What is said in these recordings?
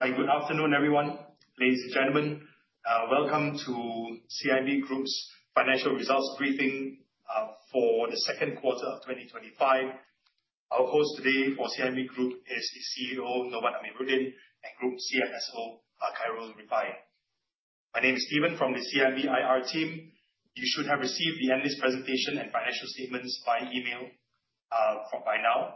Good afternoon, everyone. Ladies and gentlemen, welcome to CIMB Group's financial results briefing for the second quarter of 2025. Our host today for CIMB Group is the CEO, Novan Amirudin, and Group CSO, Khairul Rifaie. My name is Steven from the CIMB IR team. You should have received the analyst presentation and financial statements by email by now.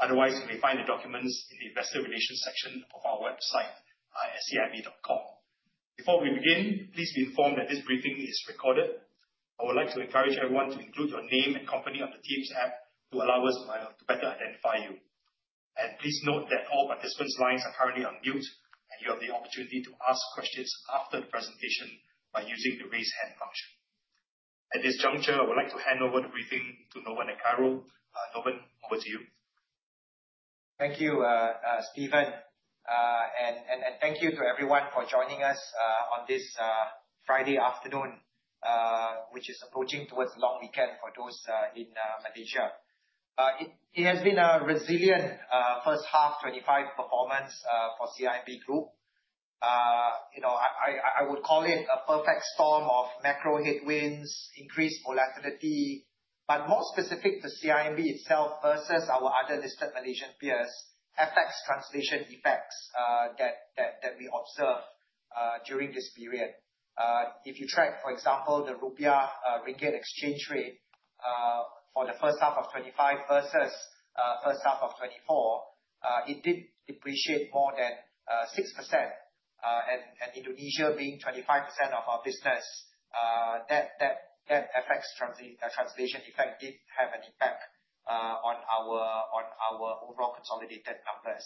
Otherwise, you may find the documents in the investor relations section of our website, at cimb.com. Before we begin, please be informed that this briefing is recorded. I would like to encourage everyone to include your name and company on the Teams app to allow us to better identify you. Please note that all participants' lines are currently on mute, and you have the opportunity to ask questions after the presentation by using the raise hand function. At this juncture, I would like to hand over the briefing to Novan and Khairul. Novan, over to you. Thank you, Steven. Thank you to everyone for joining us on this Friday afternoon, which is approaching towards a long weekend for those in Malaysia. It has been a resilient first half 2025 performance, for CIMB Group. I would call it a perfect storm of macro headwinds, increased volatility, but more specific to CIMB itself versus our other listed Malaysian peers, FX translation effects that we observed during this period. If you track, for example, the Rupiah-Ringgit exchange rate, for the first half of 2025 versus, first half of 2024, it did depreciate more than 6%, and Indonesia being 25% of our business, that FX translation effect did have an impact on our overall consolidated numbers.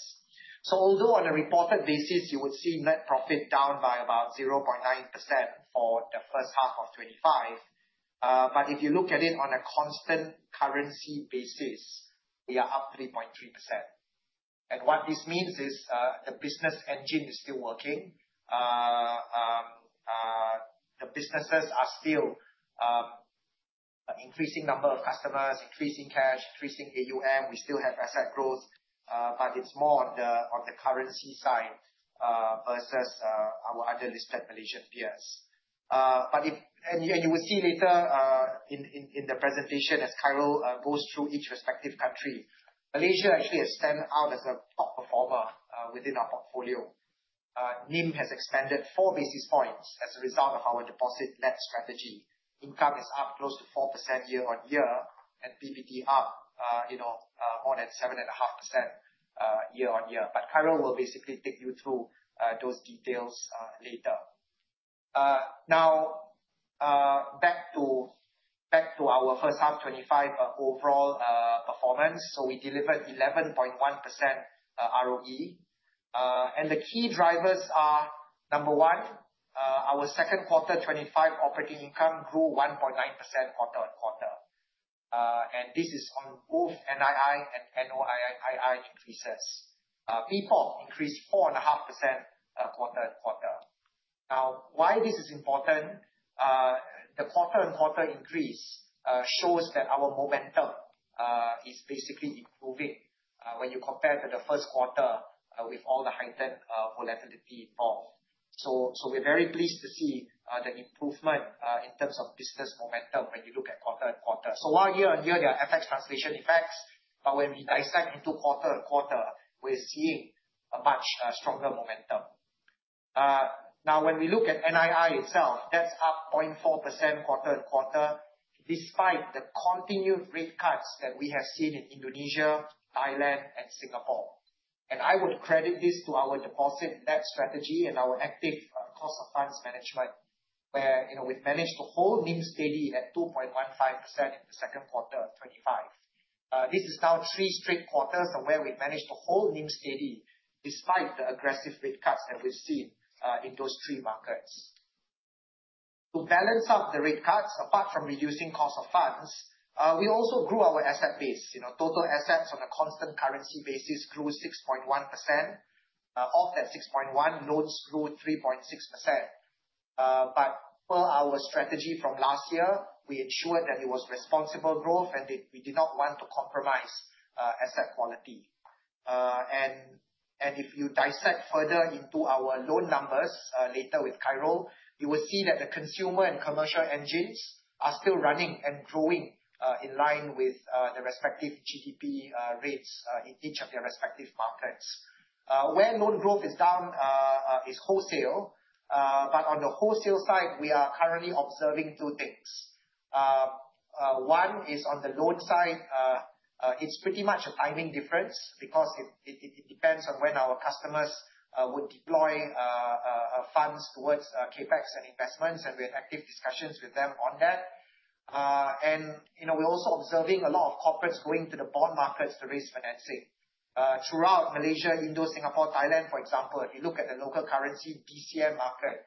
Although on a reported basis, you would see net profit down by about 0.9% for the first half of 2025, if you look at it on a constant currency basis, we are up 3.3%. What this means is, the business engine is still working. The businesses are still increasing number of customers, increasing cash, increasing AUM. We still have asset growth, but it is more on the currency side, versus, our other listed Malaysian peers. You will see later, in the presentation as Khairul goes through each respective country, Malaysia actually has stand out as a top performer within our portfolio. NIM has expanded four basis points as a result of our deposit-led strategy. Income is up close to 4% year-on-year and PBT up, more than 7.5%, year-on-year. Khairul will basically take you through those details later. Back to our first half 2025 overall performance. We delivered 11.1% ROE. The key drivers are, number one, our second quarter 2025 operating income grew 1.9% quarter-on-quarter. This is on both NII and NOII increases. PPOP increased 4.5% quarter-on-quarter. Why this is important, the quarter-on-quarter increase, shows that our momentum is basically improving, when you compare to the first quarter, with all the heightened volatility involved. We're very pleased to see the improvement in terms of business momentum when you look at quarter-on-quarter. While year-on-year there are FX translation effects, when we dissect into quarter-on-quarter, we're seeing a much stronger momentum. When we look at NII itself, that's up 0.4% quarter-on-quarter, despite the continued rate cuts that we have seen in Indonesia, Thailand, and Singapore. I would credit this to our deposit-led strategy and our active cost of funds management, where we've managed to hold NIM steady at 2.15% in the second quarter of 2025. This is now three straight quarters of where we've managed to hold NIM steady despite the aggressive rate cuts that we've seen in those three markets. To balance out the rate cuts, apart from reducing cost of funds, we also grew our asset base. Total assets on a constant currency basis grew 6.1%, off that 6.1, loans grew 3.6%. Per our strategy from last year, we ensured that it was responsible growth, and we did not want to compromise asset quality. If you dissect further into our loan numbers, later with Khairul, you will see that the consumer and commercial engines are still running and growing in line with the respective GDP rates, in each of their respective markets. Where loan growth is down, is wholesale. On the wholesale side, we are currently observing two things. One is on the loan side, it's pretty much a timing difference because it depends on when our customers would deploy funds towards CapEx and investments, and we're in active discussions with them on that. We're also observing a lot of corporates going to the bond markets to raise financing. Throughout Malaysia, Indo, Singapore, Thailand, for example, if you look at the local currency DCM market,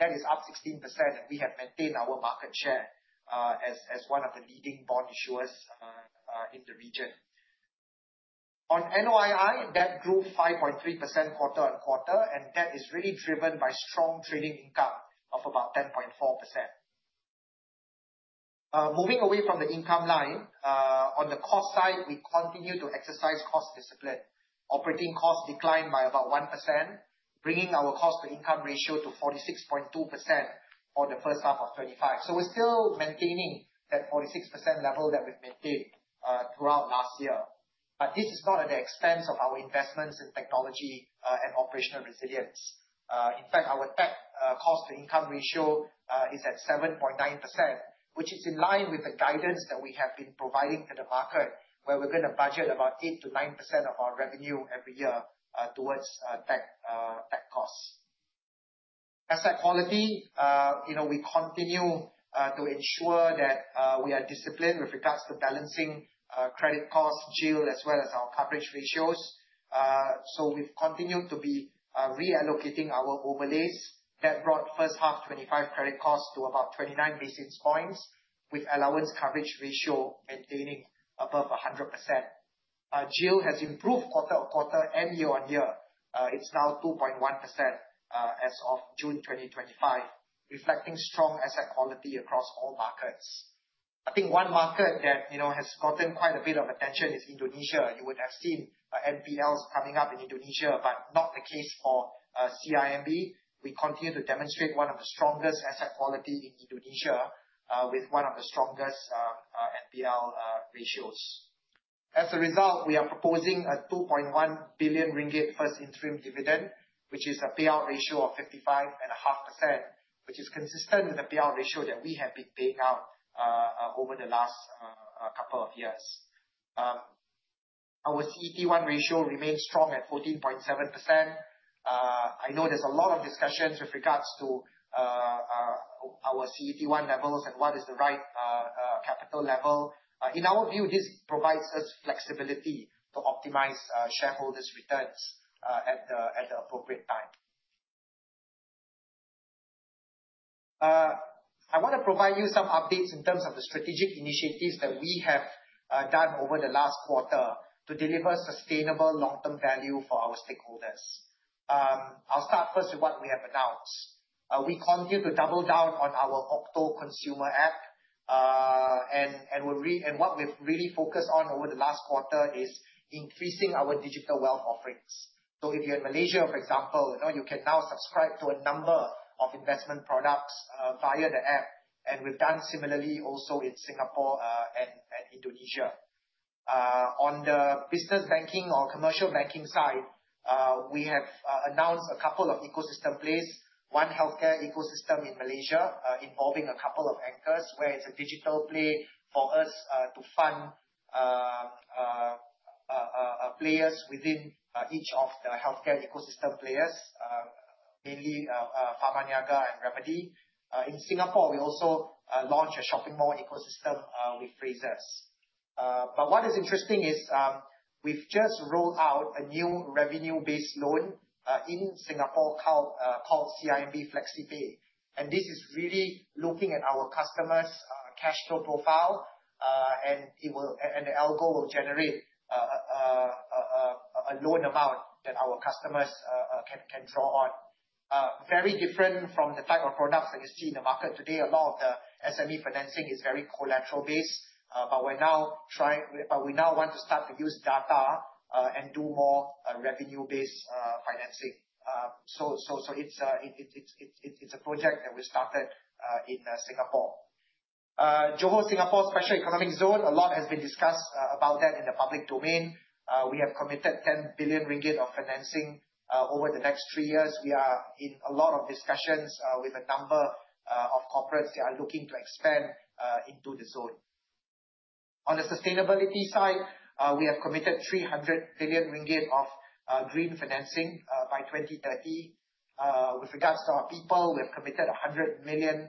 that is up 16%, and we have maintained our market share as one of the leading bond issuers in the region. On NOII, that grew 5.3% quarter-on-quarter, that is really driven by strong trading income of about 10.4%. Moving away from the income line, on the cost side, we continue to exercise cost discipline. Operating costs declined by about 1%, bringing our cost-to-income ratio to 46.2% for the first half of 2025. We're still maintaining that 46% level that we've maintained throughout last year. This is not at the expense of our investments in technology and operational resilience. In fact, our tech cost-to-income ratio is at 7.9%, which is in line with the guidance that we have been providing to the market, where we're going to budget about 8%-9% of our revenue every year towards tech costs. Asset quality, we continue to ensure that we are disciplined with regards to balancing credit costs, GIL, as well as our coverage ratios. We've continued to be reallocating our overlays. That brought first half 2025 credit costs to about 29 basis points, with allowance coverage ratio maintaining above 100%. GIL has improved quarter-on-quarter and year-on-year. It's now 2.1% as of June 2025, reflecting strong asset quality across all markets. I think one market that has gotten quite a bit of attention is Indonesia. You would have seen NPLs coming up in Indonesia, but not the case for CIMB. We continue to demonstrate one of the strongest asset qualities in Indonesia, with one of the strongest NPL ratios. As a result, we are proposing a 2.1 billion ringgit first interim dividend, which is a payout ratio of 55.5%, which is consistent with the payout ratio that we have been paying out over the last couple of years. Our CET1 ratio remains strong at 14.7%. I know there's a lot of discussions with regards to our CET1 levels and what is the right capital level. In our view, this provides us flexibility to optimize shareholders' returns at the appropriate time. I want to provide you some updates in terms of the strategic initiatives that we have done over the last quarter to deliver sustainable long-term value for our stakeholders. I'll start first with what we have announced. We continue to double down on our Octo consumer app, and what we've really focused on over the last quarter is increasing our digital wealth offerings. If you're in Malaysia, for example, you can now subscribe to a number of investment products via the app, and we've done similarly also in Singapore and Indonesia. On the business banking or commercial banking side, we have announced a couple of ecosystem plays, one healthcare ecosystem in Malaysia, involving a couple of anchors, where it's a digital play for us to fund players within each of the healthcare ecosystem players, mainly Pharmaniaga and Remedy. In Singapore, we also launched a shopping mall ecosystem with Frasers. What is interesting is, we've just rolled out a new revenue-based loan in Singapore called CIMB FlexiPay, and this is really looking at our customers' cash flow profile, and the algo will generate a loan amount that our customers can draw on. Very different from the type of products that you see in the market today. A lot of the SME financing is very collateral based. We now want to start to use data and do more revenue-based financing. It's a project that we started in Singapore. Johor Singapore Special Economic Zone, a lot has been discussed about that in the public domain. We have committed 10 billion ringgit of financing over the next three years. We are in a lot of discussions with a number of corporates that are looking to expand into the zone. On the sustainability side, we have committed 300 billion ringgit of green financing by 2030. With regards to our people, we have committed 100 million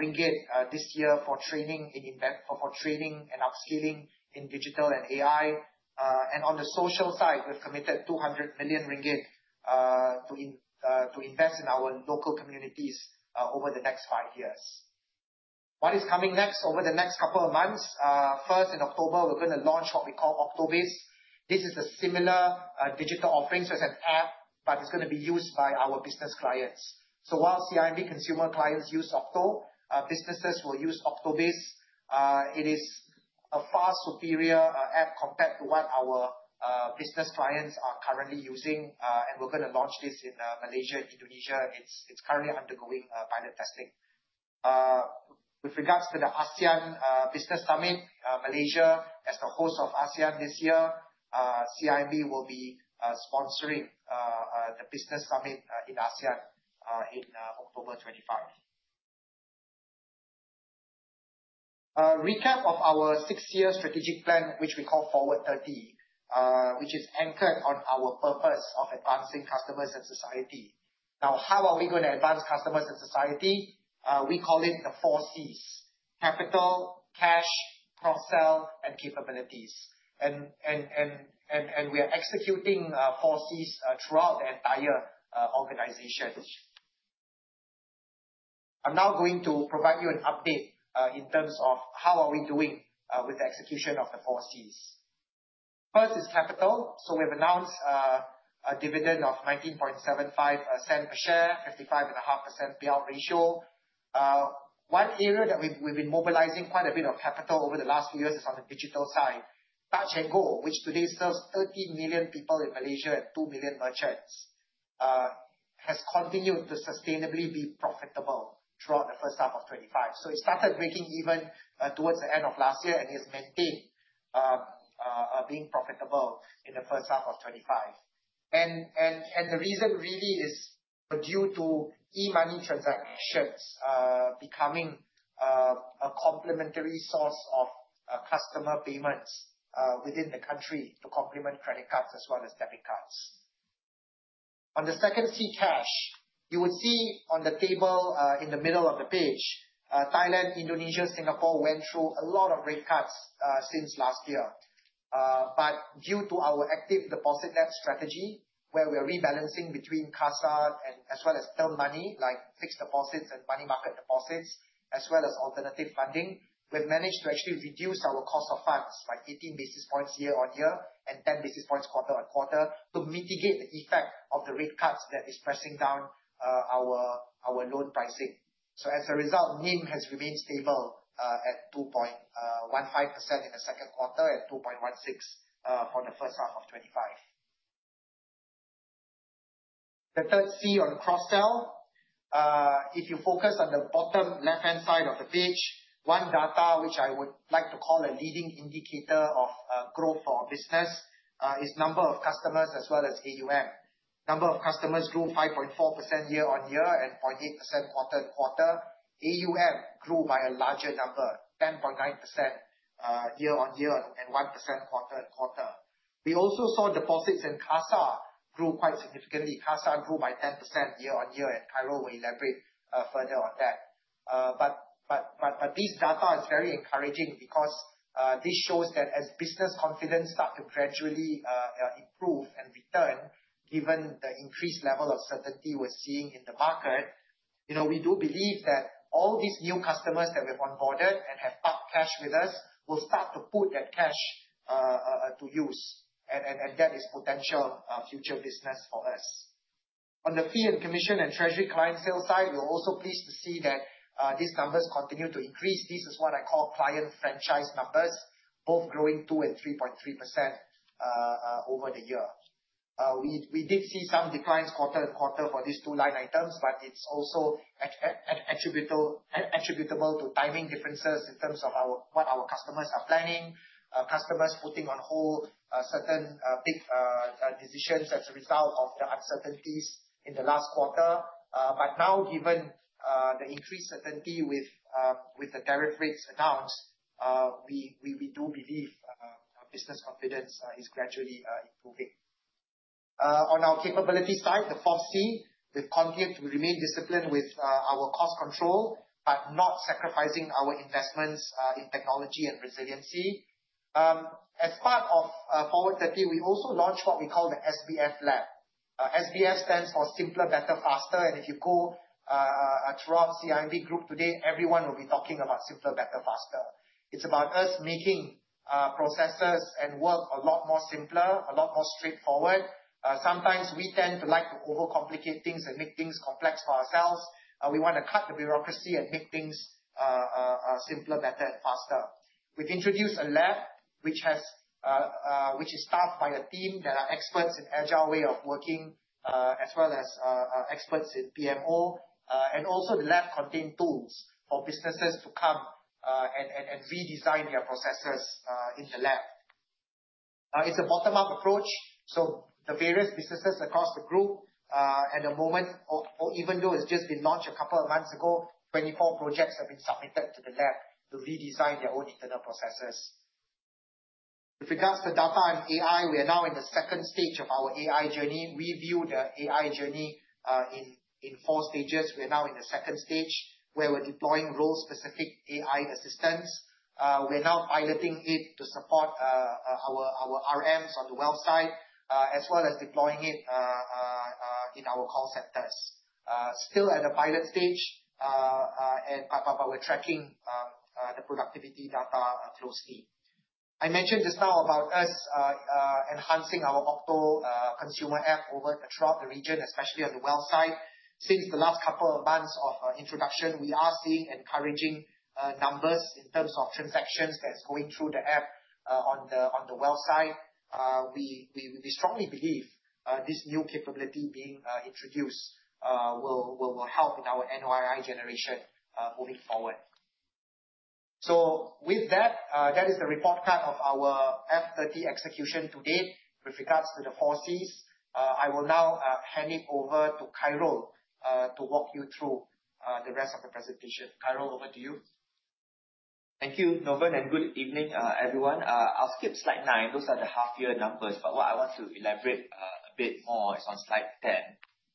ringgit this year for training and upskilling in digital and AI. On the social side, we've committed 200 million ringgit to invest in our local communities over the next five years. What is coming next over the next couple of months? First, in October, we're going to launch what we call OCTO Biz. This is a similar digital offering, so it's an app, but it's going to be used by our business clients. While CIMB consumer clients use OCTO, our businesses will use OCTO Biz. It is a far superior app compared to what our business clients are currently using, and we're going to launch this in Malaysia and Indonesia. It's currently undergoing pilot testing. With regards to the ASEAN Business Summit, Malaysia as the host of ASEAN this year, CIMB will be sponsoring the business summit in ASEAN in October 2025. A recap of our six-year strategic plan, which we call Forward30, which is anchored on our purpose of advancing customers and society. How are we going to advance customers and society? We call it the four Cs, capital, cash, cross-sell, and capabilities. We are executing four Cs throughout the entire organization. I'm now going to provide you an update in terms of how are we doing with the execution of the four Cs. First is capital. We've announced a dividend of 0.1975 per share, 55.5% payout ratio. One area that we've been mobilizing quite a bit of capital over the last few years is on the digital side. Touch 'n Go, which today serves 30 million people in Malaysia and 2 million merchants, has continued to sustainably be profitable throughout the first half of 2025. It started breaking even towards the end of last year, and it has maintained being profitable in the first half of 2025. The reason really is due to e-money transactions becoming a complementary source of customer payments within the country to complement credit cards as well as debit cards. On the second C, cash, you would see on the table in the middle of the page, Thailand, Indonesia, Singapore went through a lot of rate cuts since last year. Due to our active deposit-led strategy, where we're rebalancing between CASA as well as term money, like fixed deposits and money market deposits, as well as alternative funding, we've managed to actually reduce our cost of funds by 18 basis points year-on-year and 10 basis points quarter-on-quarter to mitigate the effect of the rate cuts that is pressing down our loan pricing. As a result, NIM has remained stable at 2.15% in the second quarter and 2.16% for the first half of 2025. The third C on cross-sell, if you focus on the bottom left-hand side of the page, one data which I would like to call a leading indicator of growth for our business, is number of customers as well as AUM. Number of customers grew 5.4% year-on-year and 0.8% quarter-on-quarter. AUM grew by a larger number, 10.9% year-on-year and 1% quarter-on-quarter. We also saw deposits in CASA grew quite significantly. CASA grew by 10% year-on-year, and Khairul will elaborate further on that. This data is very encouraging because this shows that as business confidence starts to gradually improve and return, given the increased level of certainty we're seeing in the market, we do believe that all these new customers that we've onboarded and have parked cash with us will start to put that cash to use, and that is potential future business for us. On the fee and commission and treasury client sales side, we're also pleased to see that these numbers continue to increase. This is what I call client franchise numbers, both growing 2% and 3.3% over the year. We did see some declines quarter-on-quarter for these two line items, but it is also attributable to timing differences in terms of what our customers are planning, customers putting on hold certain big decisions as a result of the uncertainties in the last quarter. Given the increased certainty with the tariff rates announced, we do believe business confidence is gradually improving. On our capability side, the fourth C, we have continued to remain disciplined with our cost control, but not sacrificing our investments in technology and resiliency. As part of Forward30, we also launched what we call the SBF Lab. SBF stands for Simpler, Better, Faster, and if you go throughout CIMB Group today, everyone will be talking about Simpler, Better, Faster. It is about us making processes and work a lot more simpler, a lot more straightforward. Sometimes we tend to like to overcomplicate things and make things complex for ourselves. We want to cut the bureaucracy and make things simpler, better, and faster. We have introduced a lab, which is staffed by a team that are experts in Agile way of working, as well as experts in PMO, and also the lab contain tools for businesses to come and redesign their processes in the lab. It is a bottom-up approach, the various businesses across the group at the moment, even though it is just been launched a couple of months ago, 24 projects have been submitted to the lab to redesign their own internal processes. With regards to data and AI, we are now in the stage 2 of our AI journey. We view the AI journey in 4 stages. We are now in the stage 2 where we are deploying role-specific AI assistance. We are now piloting it to support our RMs on the wealth side, as well as deploying it in our call centers. Still at the pilot stage, but we are tracking the productivity data closely. I mentioned just now about us enhancing our OCTO consumer app over throughout the region, especially on the wealth side. Since the last couple of months of introduction, we are seeing encouraging numbers in terms of transactions that is going through the app on the wealth side. We strongly believe this new capability being introduced will help in our NOI generation moving forward. With that is the report card of our F30 execution to date with regards to the four Cs. I will now hand it over to Khairul to walk you through the rest of the presentation. Khairul, over to you. Thank you, Novan. Good evening, everyone. I will skip slide nine. Those are the half-year numbers, but what I want to elaborate a bit more is on slide 10,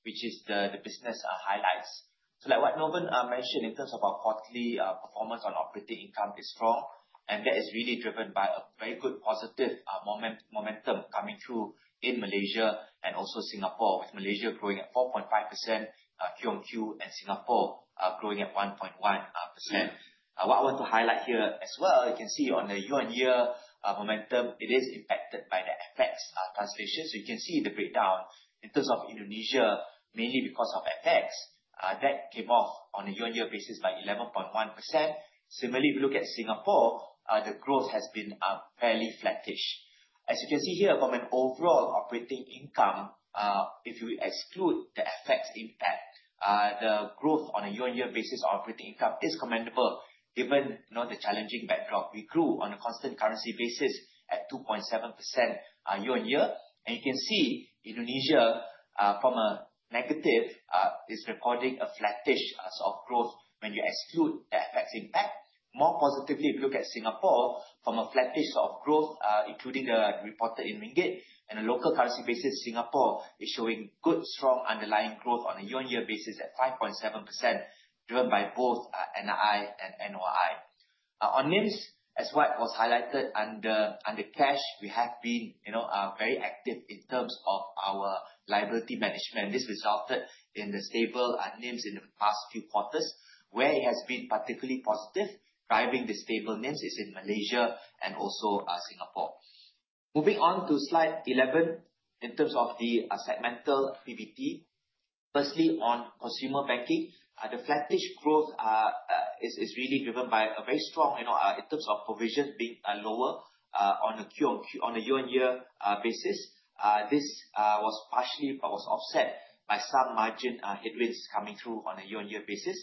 which is the business highlights. Like what Novan mentioned in terms of our quarterly performance on operating income is strong, and that is really driven by a very good positive momentum coming through in Malaysia and also Singapore, with Malaysia growing at 4.5% quarter-on-quarter, and Singapore growing at 1.1%. What I want to highlight here as well, you can see on the year-on-year momentum, it is impacted by the FX translation. You can see the breakdown in terms of Indonesia, mainly because of FX, that came off on a year-on-year basis by 11.1%. Similarly, if you look at Singapore, the growth has been fairly flattish. As you can see here from an overall operating income, if you exclude the FX impact, the growth on a year-on-year basis operating income is commendable, given the challenging backdrop. We grew on a constant currency basis at 2.7% year-on-year. You can see Indonesia, from a negative, is recording a flattish sort of growth when you exclude the FX impact. More positively, if you look at Singapore from a flattish sort of growth, including the report in MYR, in a local currency basis, Singapore is showing good, strong underlying growth on a year-on-year basis at 5.7%, driven by both NII and NOI. On NIMs, as what was highlighted under cash, we have been very active in terms of our liability management. This resulted in the stable NIMs in the past few quarters, where it has been particularly positive, driving the stable NIMs is in Malaysia and also Singapore. Moving on to slide 11, in terms of the segmental PBT, firstly, on consumer banking, the flattish growth is really driven by a very strong in terms of provision being lower on a year-on-year basis. This was partially, but was offset by some margin headwinds coming through on a year-on-year basis.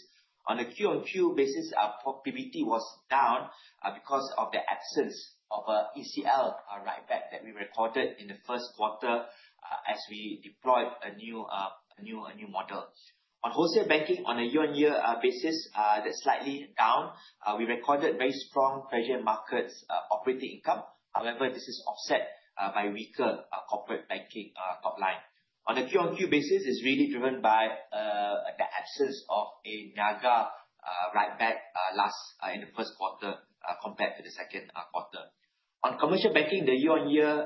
On a quarter-on-quarter basis, our PBT was down because of the absence of ECL write-back that we recorded in the first quarter as we deployed a new model. On wholesale banking on a year-on-year basis, that's slightly down. We recorded very strong treasury markets operating income. However, this is offset by weaker corporate banking top line. On a quarter-on-quarter basis, it's really driven by the absence of a Niaga write-back last in the first quarter compared to the second quarter. On commercial banking, the year-on-year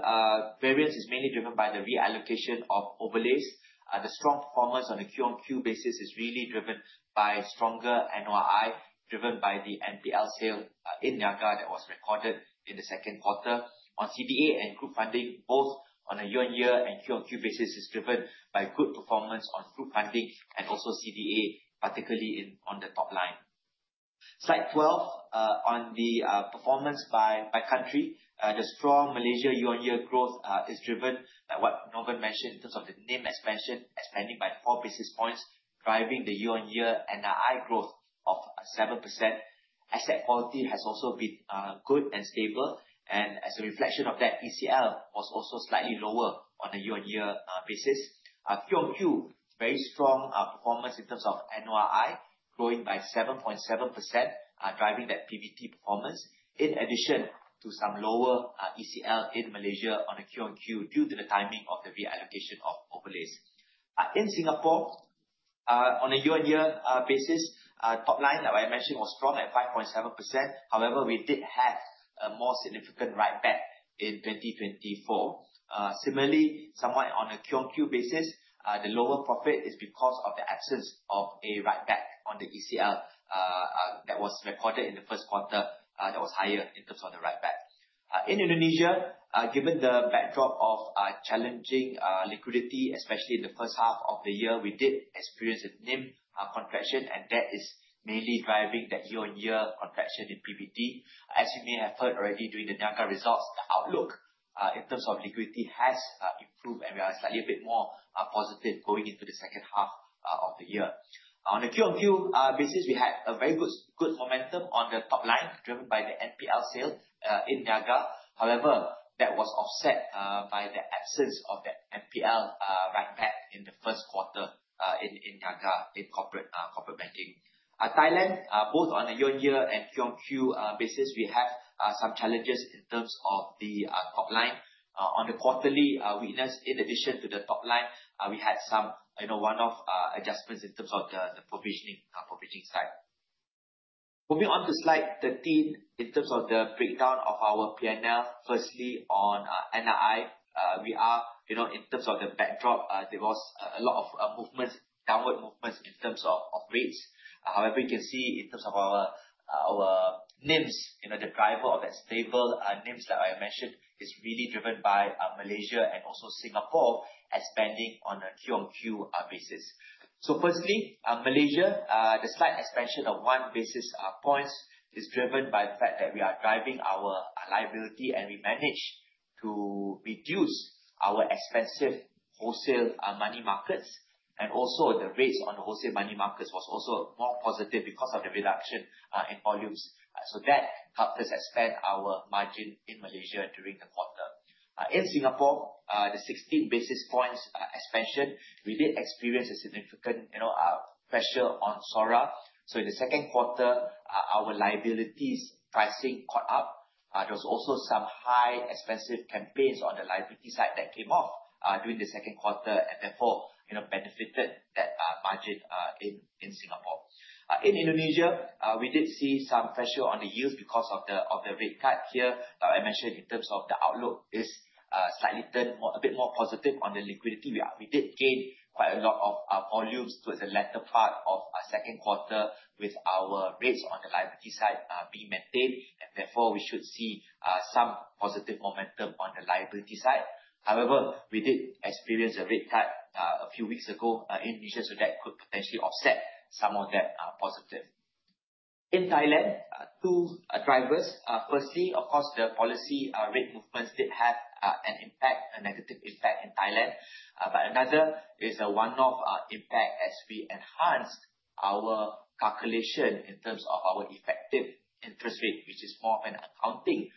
variance is mainly driven by the reallocation of overlays. The strong performance on a quarter-on-quarter basis is really driven by stronger NOI, driven by the NPL sale in Niaga that was recorded in the second quarter. On CBA and group funding, both on a year-on-year and quarter-on-quarter basis is driven by good performance on group funding and also CBA, particularly on the top line. Slide 12, on the performance by country. The strong Malaysia year-on-year growth is driven by what Novan mentioned in terms of the NIM expansion, expanding by 4 basis points, driving the year-on-year NII growth of 7%. Asset quality has also been good and stable, and as a reflection of that, ECL was also slightly lower on a year-on-year basis. Quarter-on-quarter, very strong performance in terms of NOI growing by 7.7%, driving that PBT performance, in addition to some lower ECL in Malaysia on a quarter-on-quarter due to the timing of the reallocation of overlays. In Singapore, on a year-on-year basis, top line, like I mentioned, was strong at 5.7%. However, we did have a more significant write-back in 2024. Similarly, somewhat on a quarter-on-quarter basis, the lower profit is because of the absence of a write-back on the ECL that was recorded in the first quarter, that was higher in terms of the write-back. In Indonesia, given the backdrop of challenging liquidity, especially in the first half of the year, we did experience a NIM contraction, and that is mainly driving that year-on-year contraction in PBT. As you may have heard already during the Niaga results, the outlook in terms of liquidity has improved, and we are slightly a bit more positive going into the second half of the year. On a quarter-on-quarter basis, we had a very good momentum on the top line driven by the NPL sale in Niaga. That was offset by the absence of that NPL write-back in the first quarter in CIMB Niaga, in corporate banking. Thailand, both on a year-on-year and quarter-over-quarter basis, we have some challenges in terms of the top line. On the quarterly weakness, in addition to the top line, we had some one-off adjustments in terms of the provisioning side. Moving on to slide 13, in terms of the breakdown of our P&L, firstly, on NII, in terms of the backdrop, there was a lot of downward movements in terms of rates. You can see in terms of our NIMs, the driver of that stable NIMs, like I mentioned, is really driven by Malaysia and also Singapore expanding on a quarter-over-quarter basis. Firstly, Malaysia, the slight expansion of one basis points is driven by the fact that we are driving our liability, and we managed to reduce our expensive wholesale money markets, and also the rates on the wholesale money markets was also more positive because of the reduction in volumes. That helped us expand our margin in Malaysia during the quarter. In Singapore, the 16 basis points expansion, we did experience a significant pressure on SORA. In the second quarter, our liabilities pricing caught up. There was also some high expensive campaigns on the liability side that came off during the second quarter, and therefore, benefited that margin in Singapore. In Indonesia, we did see some pressure on the yield because of the rate cut here. I mentioned in terms of the outlook is slightly turned a bit more positive on the liquidity. We did gain quite a lot of volumes towards the latter part of second quarter with our rates on the liability side being maintained, and therefore, we should see some positive momentum on the liability side. We did experience a rate cut a few weeks ago in Indonesia, that could potentially offset some of that positive. In Thailand, two drivers. Firstly, of course, the policy rate movements did have an impact, a negative impact in Thailand. Another is a one-off impact as we enhanced our calculation in terms of our effective interest rate, which is more of an accounting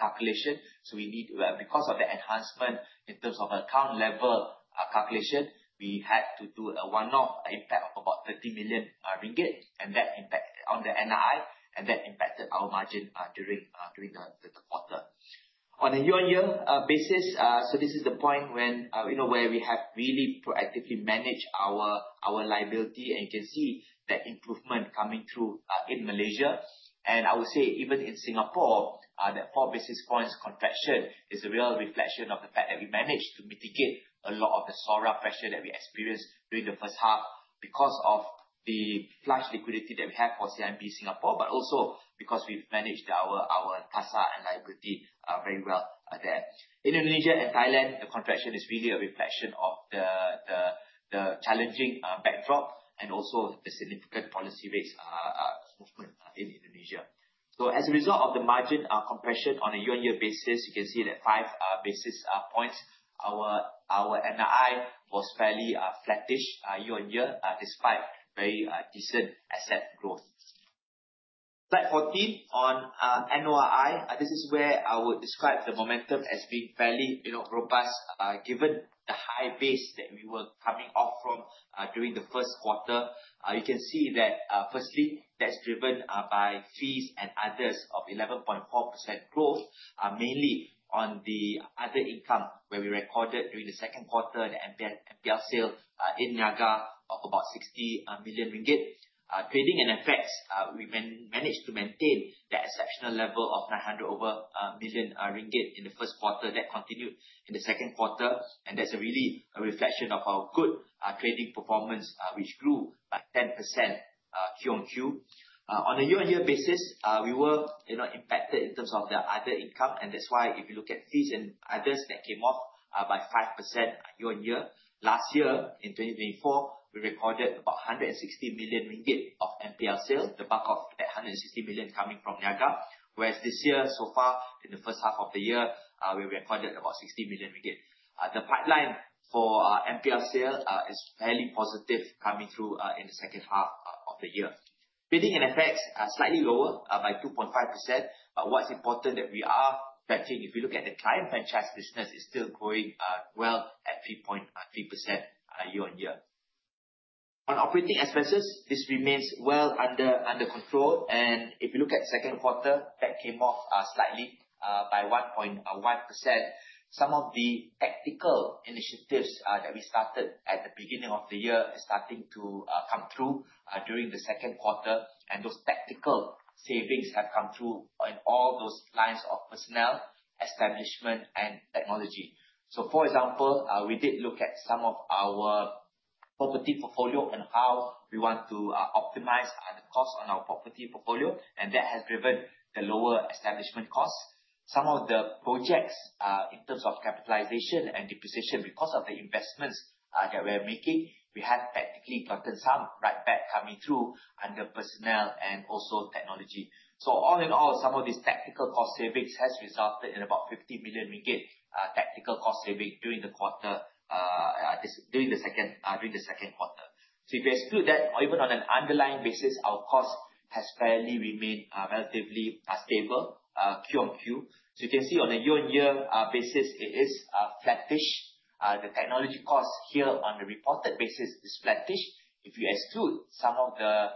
calculation, we need to because of the enhancement in terms of account level calculation, we had to do a one-off impact of about 30 million ringgit, and that impacted on the NII, and that impacted our margin during the quarter. On a year-on-year basis, this is the point where we have really proactively managed our liability, and you can see that improvement coming through in Malaysia. I would say even in Singapore, that four basis points contraction is a real reflection of the fact that we managed to mitigate a lot of the SORA pressure that we experienced during the first half because of the flush liquidity that we have for CIMB Singapore, but also because we've managed our CASA and liability very well there. In Indonesia and Thailand, the contraction is really a reflection of the challenging backdrop and also the significant policy rates movement in Indonesia. As a result of the margin compression on a year-on-year basis, you can see that five basis points, our NII was fairly flattish year-on-year, despite very decent asset growth. Slide 14 on NOII. This is where I would describe the momentum as being fairly robust, given the high base that we were coming off from during the first quarter. You can see that firstly, that's driven by fees and others of 11.4% growth, mainly on the other income where we recorded during the second quarter, the NPL sale in Niaga of about 60 million ringgit. Trading and effects, we managed to maintain that exceptional level of 900 over million in the first quarter. That continued in the second quarter, That's really a reflection of our good trading performance, which grew by 10% Q on Q. On a year-on-year basis, we were impacted in terms of the other income, That's why if you look at fees and others, that came off by 5% year-on-year. Last year, in 2024, we recorded about 160 million ringgit of NPL sales, the bulk of that 160 million coming from Niaga. This year, so far, in the first half of the year, we recorded about 60 million ringgit. The pipeline for NPL sale is fairly positive coming through in the second half of the year. Trading and effects are slightly lower by 2.5%, What's important that we are factoring, if you look at the client franchise business, is still growing well at 3.3% year-on-year. On operating expenses, this remains well under control, If you look at second quarter, that came off slightly by 1.1%. Some of the tactical initiatives that we started at the beginning of the year are starting to come through during the second quarter, Those tactical savings have come through in all those lines of personnel, establishment, and technology. For example, we did look at some of our property portfolio and how we want to optimize the cost on our property portfolio, That has driven the lower establishment costs. Some of the projects, in terms of capitalization and depreciation, because of the investments that we're making, we have technically gotten some write-back coming through under personnel and also technology. All in all, some of these tactical cost savings has resulted in about 50 million ringgit tactical cost saving during the second quarter. If you exclude that, or even on an underlying basis, our cost has fairly remained relatively stable Q on Q. You can see on a year-on-year basis, it is flattish. The technology cost here on the reported basis is flattish. If you exclude some of the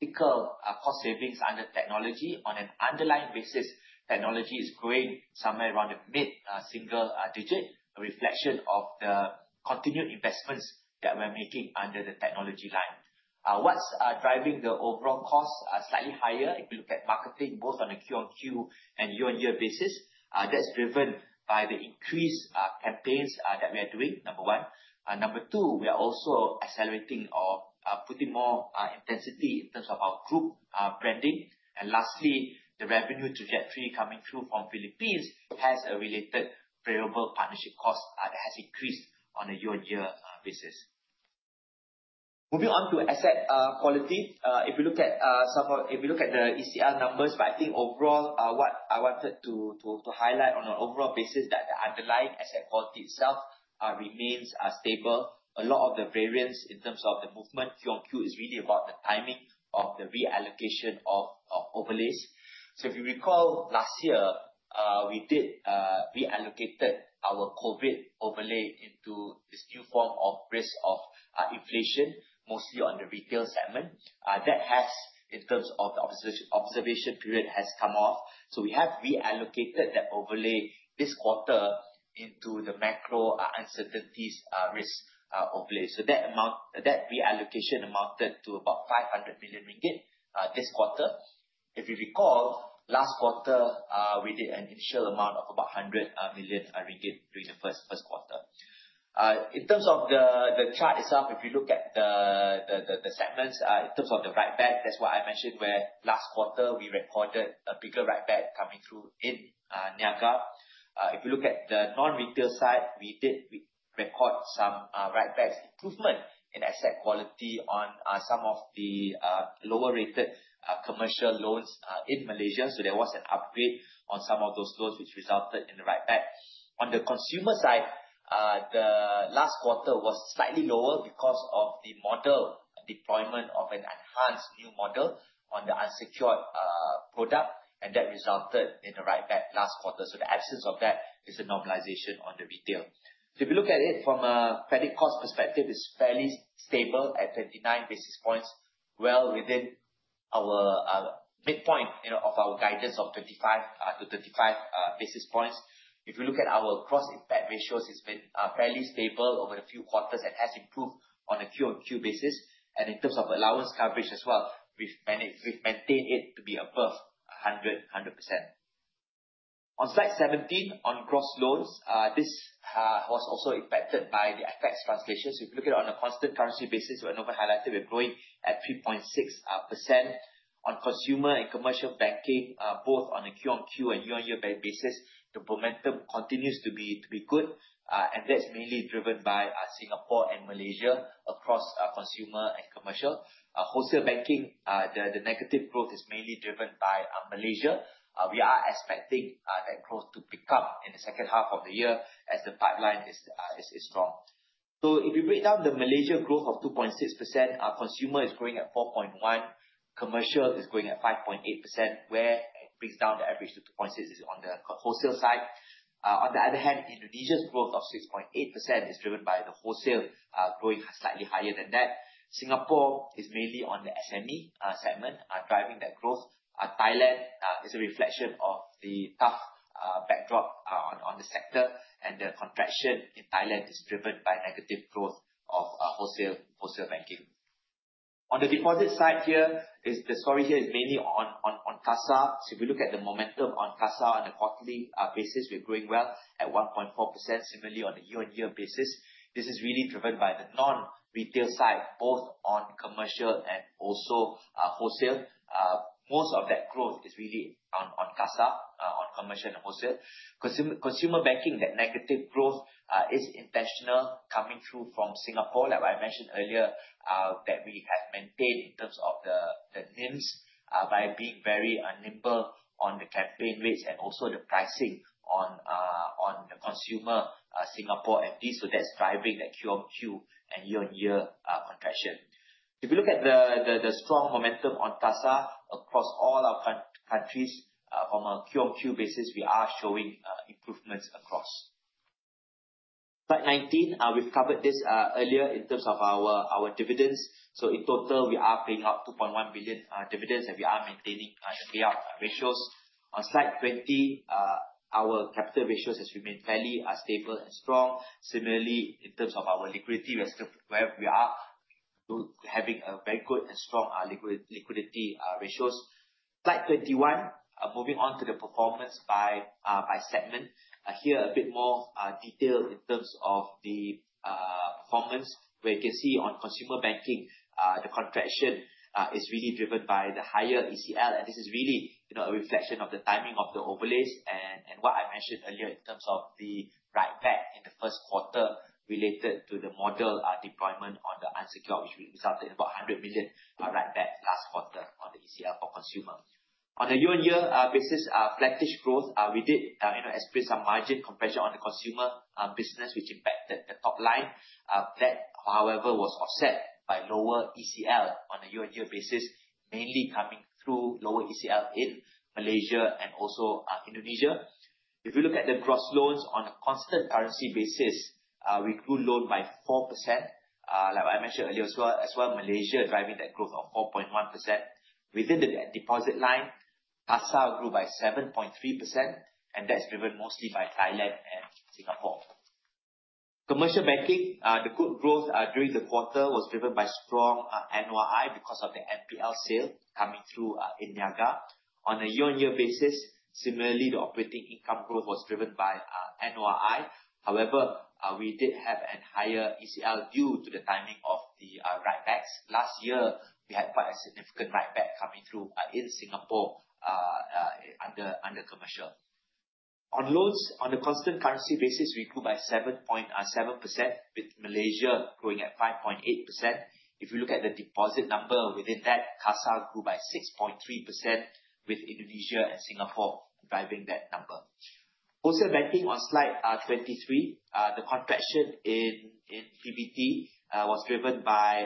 tactical cost savings under technology on an underlying basis, technology is growing somewhere around the mid-single digit, a reflection of the continued investments that we're making under the technology line. What's driving the overall costs slightly higher, if you look at marketing both on a Q on Q and year-on-year basis, that's driven by the increased campaigns that we are doing, number one. Number two, we are also accelerating or putting more intensity in terms of our group branding. Lastly, the revenue to get free coming through from Philippines has a related variable partnership cost that has increased on a year-on-year basis. Moving on to asset quality. If you look at the ECR numbers, I think overall, what I wanted to highlight on an overall basis that the underlying asset quality itself remains stable. A lot of the variance in terms of the movement Q on Q is really about the timing of the reallocation of overlays. If you recall last year, we did reallocated our COVID overlay into this new form of risk of inflation, mostly on the retail segment. That has, in terms of the observation period, has come off. We have reallocated that overlay this quarter into the macro uncertainties risk overlay. That reallocation amounted to about 500 million ringgit this quarter. If you recall, last quarter, we did an initial amount of about 100 million ringgit during the first quarter. In terms of the chart itself, if you look at the segments, in terms of the write-back, that's what I mentioned, where last quarter we recorded a bigger write-back coming through in Niaga. If you look at the non-retail side, we did record some write-backs improvement in asset quality on some of the lower-rated commercial loans in Malaysia. There was an upgrade on some of those loans, which resulted in the write-back. On the consumer side, the last quarter was slightly lower because of the model deployment of an enhanced new model on the unsecured product, and that resulted in the write-back last quarter. The absence of that is a normalization on the retail. If you look at it from a credit cost perspective, it's fairly stable at 29 basis points, well within our midpoint of our guidance of 25-35 basis points. If you look at our credit cost ratios, it's been fairly stable over a few quarters and has improved on a Q on Q basis. In terms of allowance coverage as well, we've maintained it to be above 100%. On slide 17, on gross loans, this was also impacted by the FX translations. If you look at it on a constant currency basis, we're normally highlighted, we're growing at 3.6% on consumer and commercial banking, both on a Q on Q and year on year basis. The momentum continues to be good, and that's mainly driven by Singapore and Malaysia across consumer and commercial. Wholesale banking, the negative growth is mainly driven by Malaysia. We are expecting that growth to pick up in the second half of the year as the pipeline is strong. If you break down the Malaysia growth of 2.6%, our consumer is growing at 4.1%, commercial is growing at 5.8%, where it brings down the average to 2.6% is on the wholesale side. On the other hand, Indonesia's growth of 6.8% is driven by the wholesale growing slightly higher than that. Singapore is mainly on the SME segment, driving that growth. Thailand is a reflection of the tough backdrop on the sector, and the contraction in Thailand is driven by negative growth of wholesale banking. On the deposit side here, the story here is mainly on CASA. If you look at the momentum on CASA on a quarterly basis, we're growing well at 1.4%, similarly on a year-on-year basis. This is really driven by the non-retail side, both on commercial and also wholesale. Most of that growth is really on CASA, on commercial and wholesale. Consumer banking, that negative growth is intentional, coming through from Singapore, like what I mentioned earlier, that we have maintained in terms of the NIMs by being very nimble on the campaign rates and also the pricing on the consumer Singapore FD. That's driving that Q on Q and year on year contraction. If you look at the strong momentum on CASA across all our countries from a Q on Q basis, we are showing improvements across. Slide 19, we've covered this earlier in terms of our dividends. In total, we are paying out 2.1 billion dividends, and we are maintaining our payout ratios. On slide 20, our capital ratios has remained fairly stable and strong. Similarly, in terms of our liquidity ratio, where we are having a very good and strong liquidity ratios. Slide 21, moving on to the performance by segment. Here, a bit more detail in terms of the performance, where you can see on consumer banking, the contraction is really driven by the higher ECL, and this is really a reflection of the timing of the overlays and what I mentioned earlier in terms of the write-back in the first quarter related to the model deployment on the unsecured, which will result in about 100 million write-back last quarter on the ECL for consumer. On a year-on-year basis, flattish growth, we did experience some margin compression on the consumer business, which impacted the top line. That, however, was offset by lower ECL on a year-on-year basis, mainly coming through lower ECL in Malaysia and also Indonesia. If you look at the gross loans on a constant currency basis, we grew loan by 4%. Like what I mentioned earlier as well, Malaysia driving that growth of 4.1%. Within the deposit line, CASA grew by 7.3%, that's driven mostly by Thailand and Singapore. Commercial banking, the good growth during the quarter was driven by strong NOI because of the NPL sale coming through in Niaga. On a year-on-year basis, similarly, the operating income growth was driven by NOI. We did have an higher ECL due to the timing of the write-backs. Last year, we had quite a significant write-back coming through in Singapore under commercial. On loans, on a constant currency basis, we grew by 7.7%, with Malaysia growing at 5.8%. If you look at the deposit number within that, CASA grew by 6.3%, with Indonesia and Singapore driving that number. Wholesale banking on slide 23, the contraction in PBT was driven by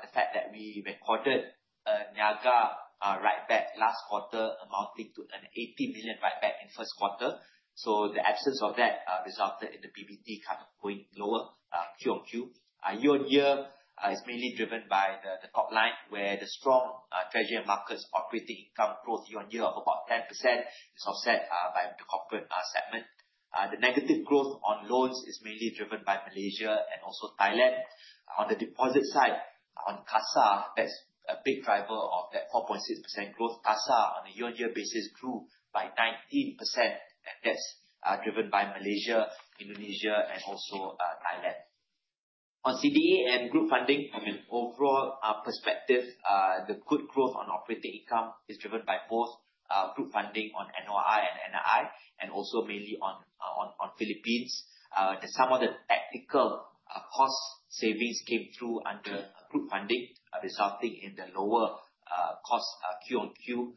the fact that we recorded a Niaga write-back last quarter amounting to an 80 million write-back in first quarter. The absence of that resulted in the PBT kind of going lower Q on Q. Year on year is mainly driven by the top line, where the strong treasury and markets operating income growth year on year of about 10% is offset by the corporate segment. The negative growth on loans is mainly driven by Malaysia and also Thailand. On the deposit side, on CASA, that's a big driver of that 4.6% growth. CASA, on a year-on-year basis, grew by 19%, that's driven by Malaysia, Indonesia, and also Thailand. On CDA and group funding from an overall perspective, the good growth on operating income is driven by both group funding on NOI and NII, and also mainly on Philippines. Some of the technical cost savings came through under group funding, resulting in the lower cost Q on Q.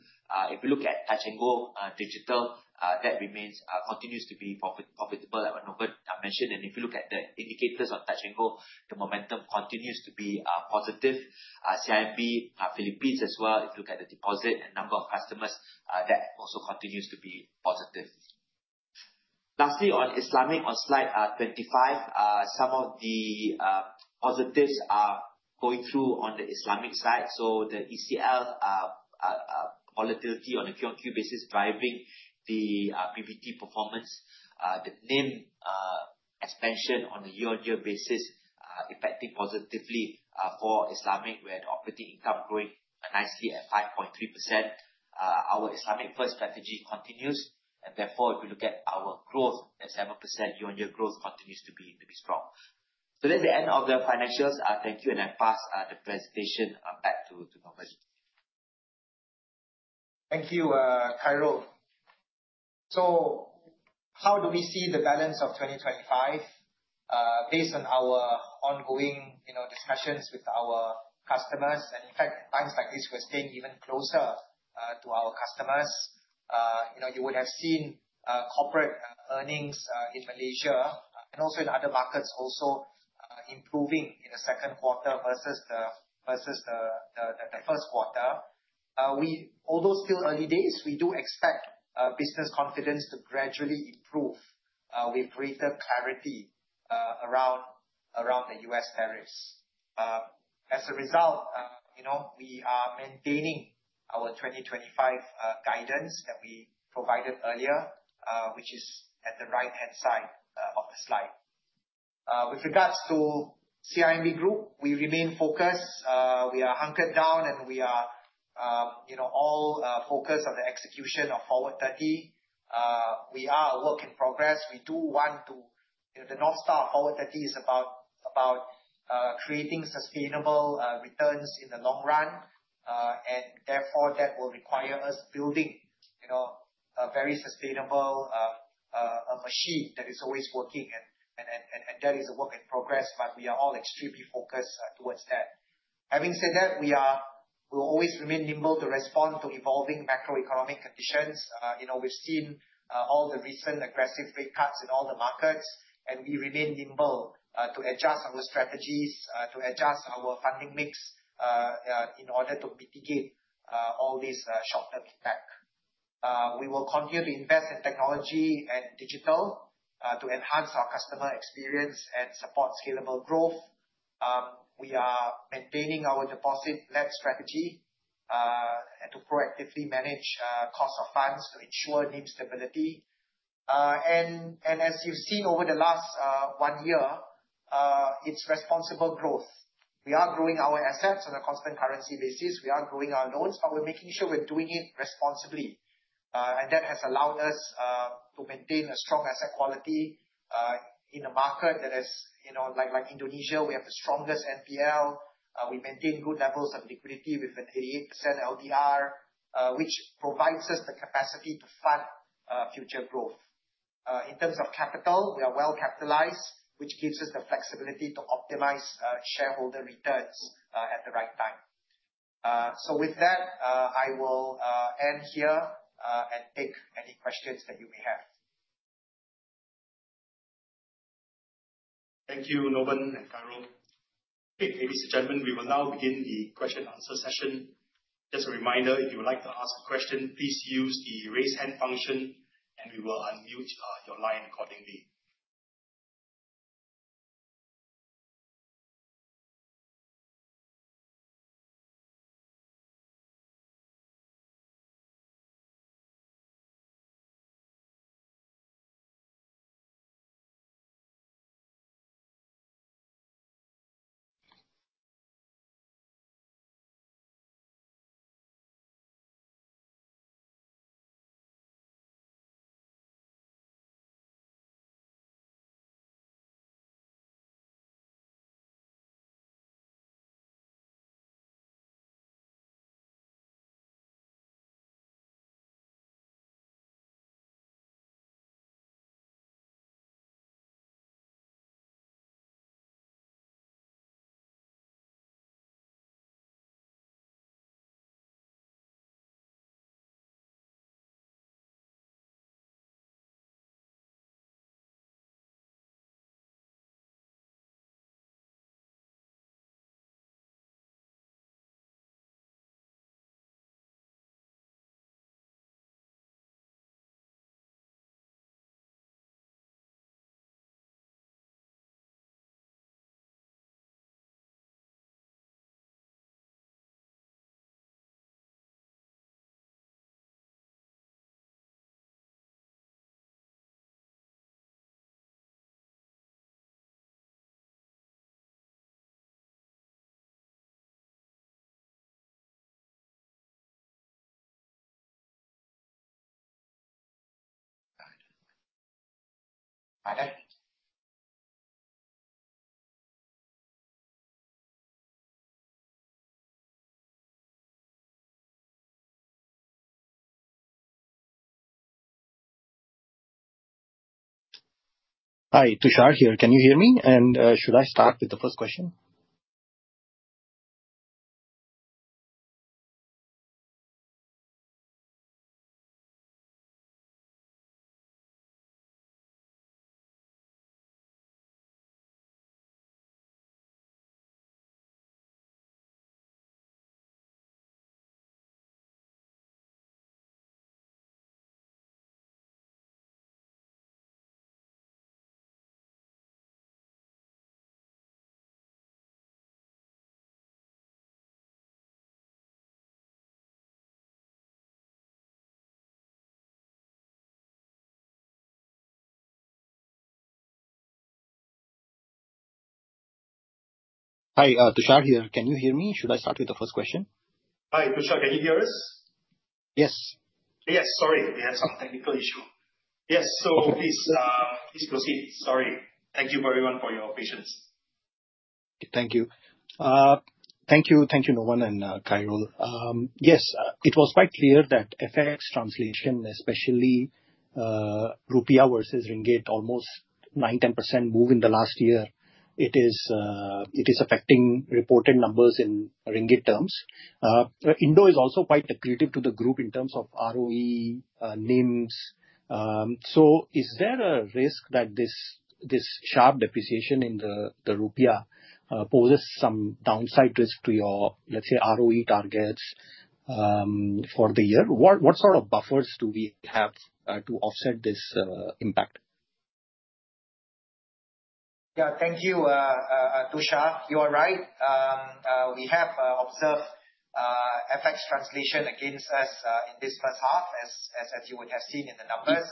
If you look at Touch 'n Go digital, that continues to be profitable, like Novan mentioned. If you look at the indicators on Touch 'n Go, the momentum continues to be positive. CIMB Bank Philippines as well, if you look at the deposit and number of customers, that also continues to be positive. Lastly, on Islamic, on Slide 25, some of the positives are going through on the Islamic side. The ECL volatility on a quarter-on-quarter basis driving the PBT performance. The NIM expansion on a year-on-year basis impacting positively for Islamic, with operating income growing nicely at 5.3%. Our Islamic first strategy continues. If you look at our growth, that 7% year-on-year growth continues to be strong. That's the end of the financials. Thank you, and I pass the presentation back to Novan. Thank you, Khairul. How do we see the balance of 2025? Based on our ongoing discussions with our customers, in fact, at times like this, we're staying even closer to our customers. You would have seen corporate earnings in Malaysia and also in other markets also improving in the second quarter versus the first quarter. Still early days, we do expect business confidence to gradually improve with greater clarity around the U.S. tariffs. We are maintaining our 2025 guidance that we provided earlier, which is at the right-hand side of the slide. With regards to CIMB Group, we remain focused. We are hunkered down, we are all focused on the execution of Forward30. We are a work in progress. The North Star of Forward30 is about creating sustainable returns in the long run. That will require us building a very sustainable machine that is always working, that is a work in progress, we are all extremely focused towards that. Having said that, we will always remain nimble to respond to evolving macroeconomic conditions. We've seen all the recent aggressive rate cuts in all the markets, we remain nimble to adjust our strategies, to adjust our funding mix in order to mitigate all this short-term impact. We will continue to invest in technology and digital to enhance our customer experience and support scalable growth. We are maintaining our deposit-led strategy and to proactively manage cost of funds to ensure NIM stability. As you've seen over the last one year, it's responsible growth. We are growing our assets on a constant currency basis. We are growing our loans, we're making sure we're doing it responsibly. That has allowed us to maintain a strong asset quality in a market that is, like Indonesia, we have the strongest NPL. We maintain good levels of liquidity with an 88% LDR, which provides us the capacity to fund future growth. In terms of capital, we are well capitalized, which gives us the flexibility to optimize shareholder returns at the right time. With that, I will end here and take any questions that you may have. Thank you, Novan and Khairul. Ladies and gentlemen, we will now begin the question and answer session. Just a reminder, if you would like to ask a question, please use the raise hand function, we will unmute your line accordingly. Hi, Tushar here. Can you hear me? Should I start with the first question? Hi, Tushar. Can you hear us? Yes. Yes. Sorry. We had some technical issue. Please proceed. Sorry. Thank you, everyone, for your patience. Thank you. Thank you, Novan and Khairul. Yes, it was quite clear that FX translation, especially Rupiah versus Ringgit, almost nine, 10% move in the last year. It is affecting reported numbers in MYR terms. Indo is also quite accretive to the group in terms of ROE, NIM. Is there a risk that this sharp depreciation in the Rupiah poses some downside risk to your, let's say, ROE targets for the year? What sort of buffers do we have to offset this impact? Thank you, Tushar. You are right. We have observed FX translation against us in this first half, as you would have seen in the numbers.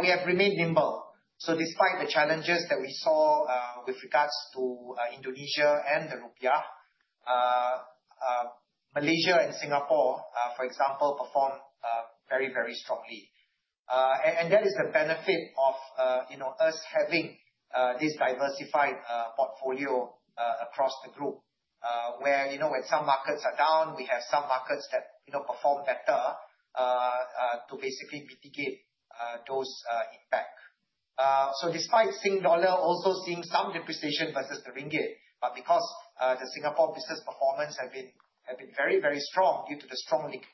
We have remained nimble. Despite the challenges that we saw with regards to Indonesia and the Rupiah, Malaysia and Singapore, for example, performed very strongly. That is the benefit of us having this diversified portfolio across the group, where when some markets are down, we have some markets that perform better to basically mitigate those impact. Despite SGD also seeing some depreciation versus the MYR, because the Singapore business performance have been very strong due to the strong link-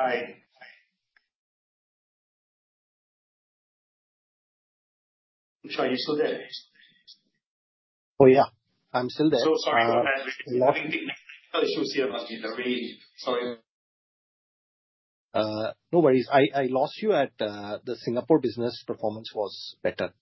Tushar, are you still there? I'm still there. So sorry about that. We're having technical issues here. Must be the rain. Sorry. No worries. I lost you at, "The Singapore business performance was better.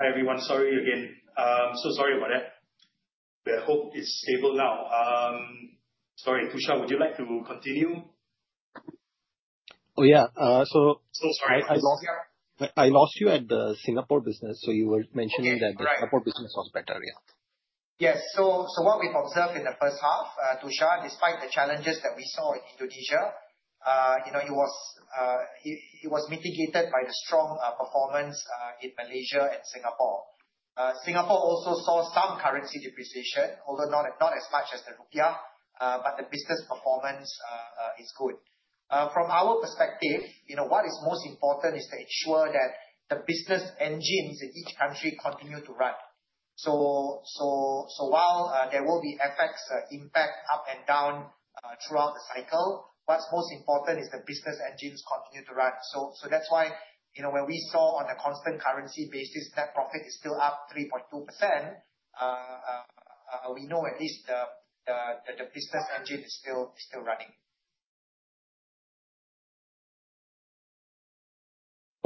Hi, everyone. Sorry again. So sorry about that. Hope it's stable now. Sorry. Tushar, would you like to continue? Yeah. Sorry. I lost you. I lost you at the Singapore business. You were mentioning that. Okay. Right. The Singapore business was better. Yeah. Yes. What we've observed in the first half, Tushar, despite the challenges that we saw in Indonesia, it was mitigated by the strong performance in Malaysia and Singapore. Singapore also saw some currency depreciation, although not as much as the rupiah, but the business performance is good. From our perspective, what is most important is to ensure that the business engines in each country continue to run. While there will be FX impact up and down throughout the cycle, what's most important is the business engines continue to run. That's why, when we saw on a constant currency basis, net profit is still up 3.2%, we know at least that the business engine is still running.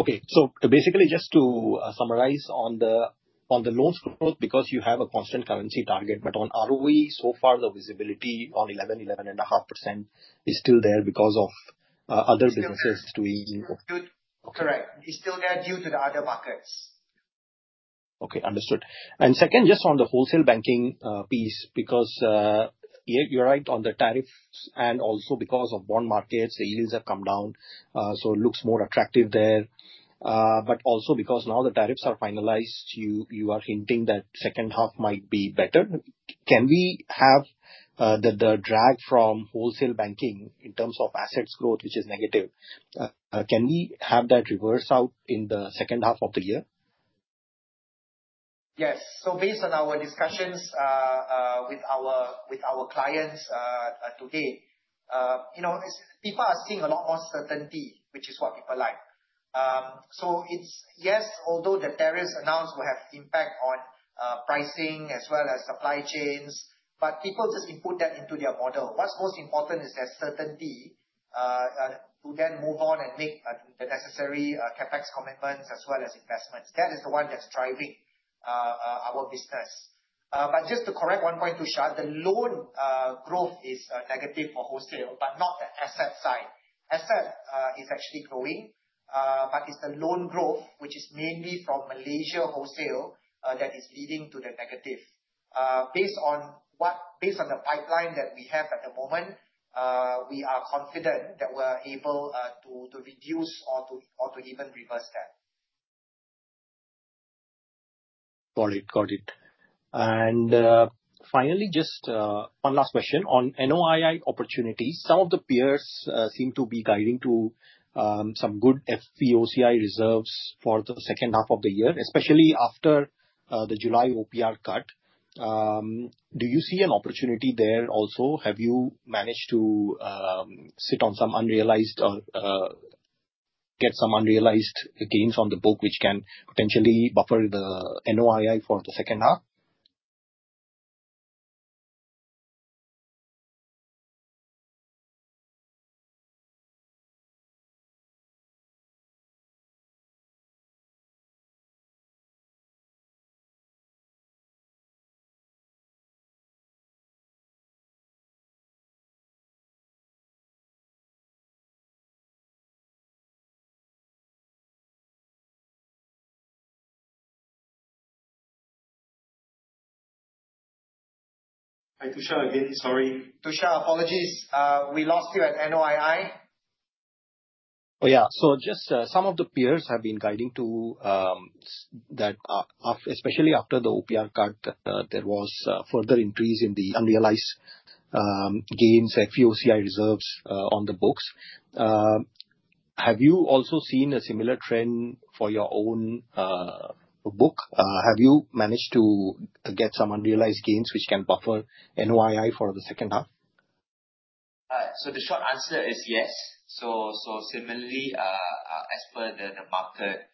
Basically, just to summarize on the loan scope, because you have a constant currency target, but on ROE, so far, the visibility on 11.5% is still there because of other businesses. Correct. It's still there due to the other markets. Understood. Second, just on the wholesale banking piece, because, yeah, you're right on the tariffs and also because of bond markets, the yields have come down, so it looks more attractive there. Also because now the tariffs are finalized, you are hinting that second half might be better. Can we have the drag from wholesale banking in terms of assets growth, which is negative, can we have that reverse out in the second half of the year? Yes. Based on our discussions with our clients to date, people are seeing a lot more certainty, which is what people like. It's, yes, although the tariffs announced will have impact on pricing as well as supply chains, but people just input that into their model. What's most important is there's certainty, to then move on and make the necessary CapEx commitments as well as investments. That is the one that's driving our business. But just to correct one point, Tushar, the loan growth is negative for wholesale, but not the asset side. Asset is actually growing, but it's the loan growth, which is mainly from Malaysia wholesale, that is leading to the negative. Based on the pipeline that we have at the moment, we are confident that we're able to reduce or to even reverse that. Got it. Finally, just one last question on NOII opportunities. Some of the peers seem to be guiding to some good FVOCI reserves for the second half of the year, especially after the July OPR cut. Do you see an opportunity there also? Have you managed to sit on some unrealized or get some unrealized gains on the book, which can potentially buffer the NOII for the second half? Hi, Tushar, again, sorry. Tushar, apologies. We lost you at NOII. Yeah. Just some of the peers have been guiding to, especially after the OPR cut, there was a further increase in the unrealized gains, FVOCI reserves on the books. Have you also seen a similar trend for your own book? Have you managed to get some unrealized gains which can buffer NOII for the second half? The short answer is yes. Similarly, as per the market,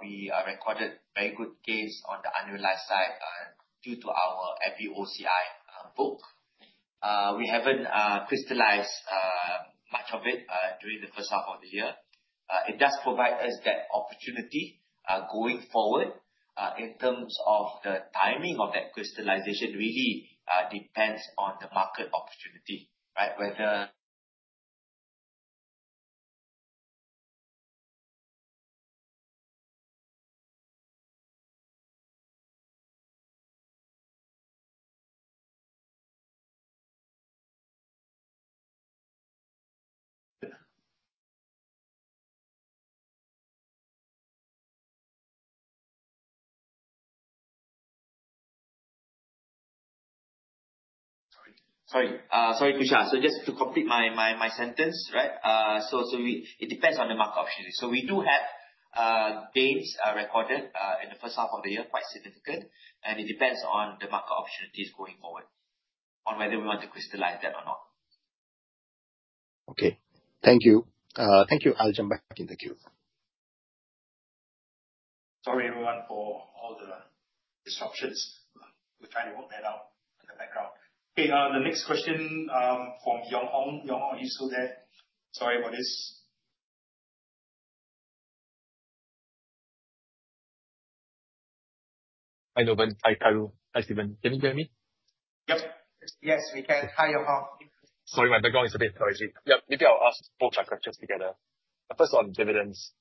we recorded very good gains on the unrealized side due to our FVOCI book. We haven't crystallized much of it during the first half of the year. It does provide us that opportunity going forward. In terms of the timing of that crystallization, really, depends on the market opportunity, right? Sorry, Tushar. Just to complete my sentence. It depends on the market opportunity. We do have gains recorded in the first half of the year, quite significant, and it depends on the market opportunities going forward on whether we want to crystallize that or not. Okay. Thank you. I'll jump back in the queue. Sorry, everyone, for all the disruptions. We're trying to work that out in the background. The next question, from Yong Hong. Yong Hong, are you still there? Sorry about this. Hi, Novan. Hi, Khairul. Hi, Steven. Can you hear me? Yep. Yes, we can. Hi, Yong Hong. Sorry, my background is a bit noisy. Maybe I'll ask both my questions together. The first on dividends.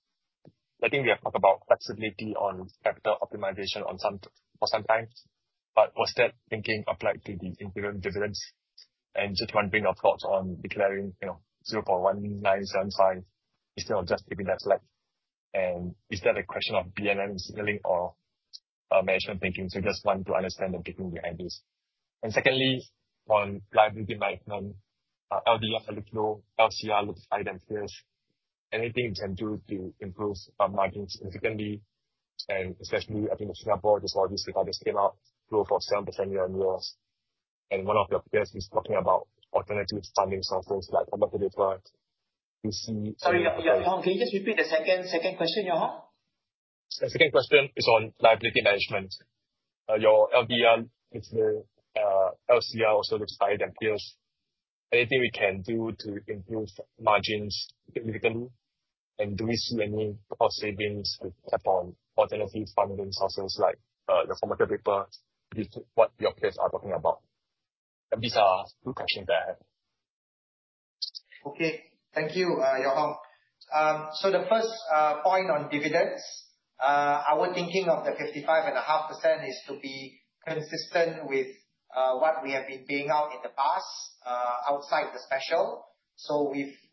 I think we have talked about flexibility on capital optimization for some time, but was that thinking applied to the interim dividends? Just one brief thought on declaring 0.1975 instead of just keeping that slack. Is that a question of BNM signaling or management thinking? I just want to understand and get the angles. Secondly, on liability management, LDR outflow, LCR looks higher than peers. Anything you can do to improve our margins significantly, and especially, I think in Singapore, just obviously got the standout flow for 7% year-on-year. One of your peers is talking about alternative funding sources like covered paper, PC- Sorry, Yong Hong, can you just repeat the second question, Yong Hong? The second question is on liability management. Your LDR, LCR also looks higher than peers. Anything we can do to improve margins significantly? Do we see any cost savings with tapping on alternative funding sources like the covered paper with what your peers are talking about? These are two questions that I have. Okay. Thank you, Yong Hong. The first point on dividends, our thinking of the 55.5% is to be consistent with what we have been paying out in the past, outside the special.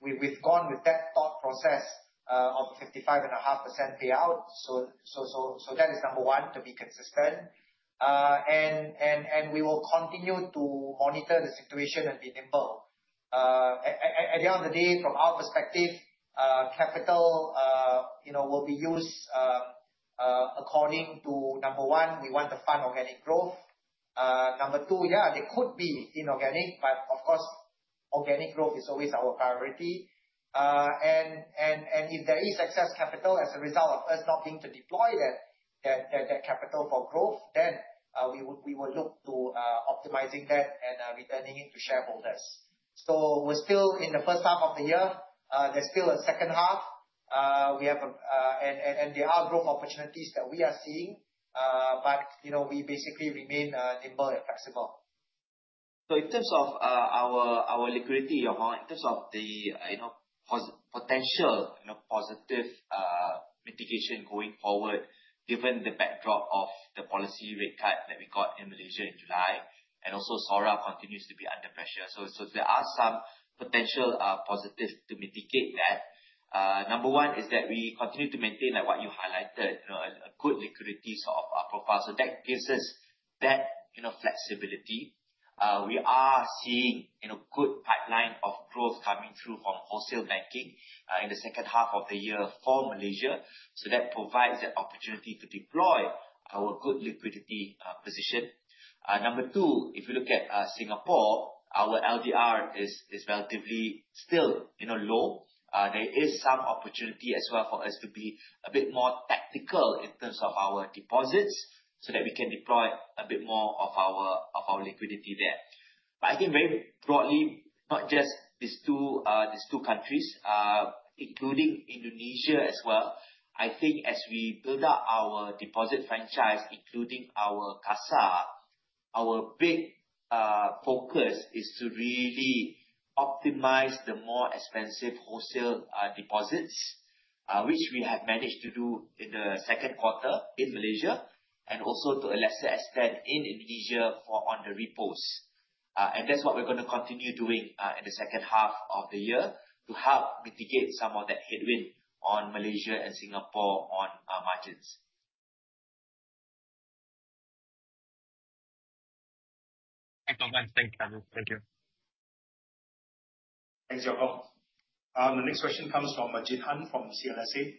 We've gone with that thought process of 55.5% payout. That is number 1, to be consistent. We will continue to monitor the situation and be nimble. At the end of the day, from our perspective, capital will be used according to, number 1, we want to fund organic growth. Number 2, there could be inorganic, but of course, organic growth is always our priority. If there is excess capital as a result of us not being able to deploy that capital for growth, then we will look to optimizing that and returning it to shareholders. We're still in the first half of the year. There's still a second half. There are growth opportunities that we are seeing, we basically remain nimble and flexible. In terms of our liquidity, Yong Hong, in terms of the potential positive mitigation going forward, given the backdrop of the policy rate cut that we got in Malaysia in July, SORA continues to be under pressure. There are some potential positives to mitigate that. Number one is that we continue to maintain, like what you highlighted, a good liquidity profile. That gives us that flexibility. We are seeing a good pipeline of growth coming through from wholesale banking, in the second half of the year for Malaysia. That provides that opportunity to deploy our good liquidity position. Number two, if you look at Singapore, our LDR is relatively still low. There is some opportunity as well for us to be a bit more tactical in terms of our deposits so that we can deploy a bit more of our liquidity there. I think very broadly, not just these two countries, including Indonesia as well, I think as we build out our deposit franchise, including our CASA, our big focus is to really optimize the more expensive wholesale deposits, which we have managed to do in the second quarter in Malaysia, and also to a lesser extent in Indonesia on the repos. That's what we're going to continue doing, in the second half of the year to help mitigate some of that headwind on Malaysia and Singapore on our margins. Thanks, Novan. Thanks, Khairul. Thank you. Thanks, Yong Hong. The next question comes from Jin Han from CLSA.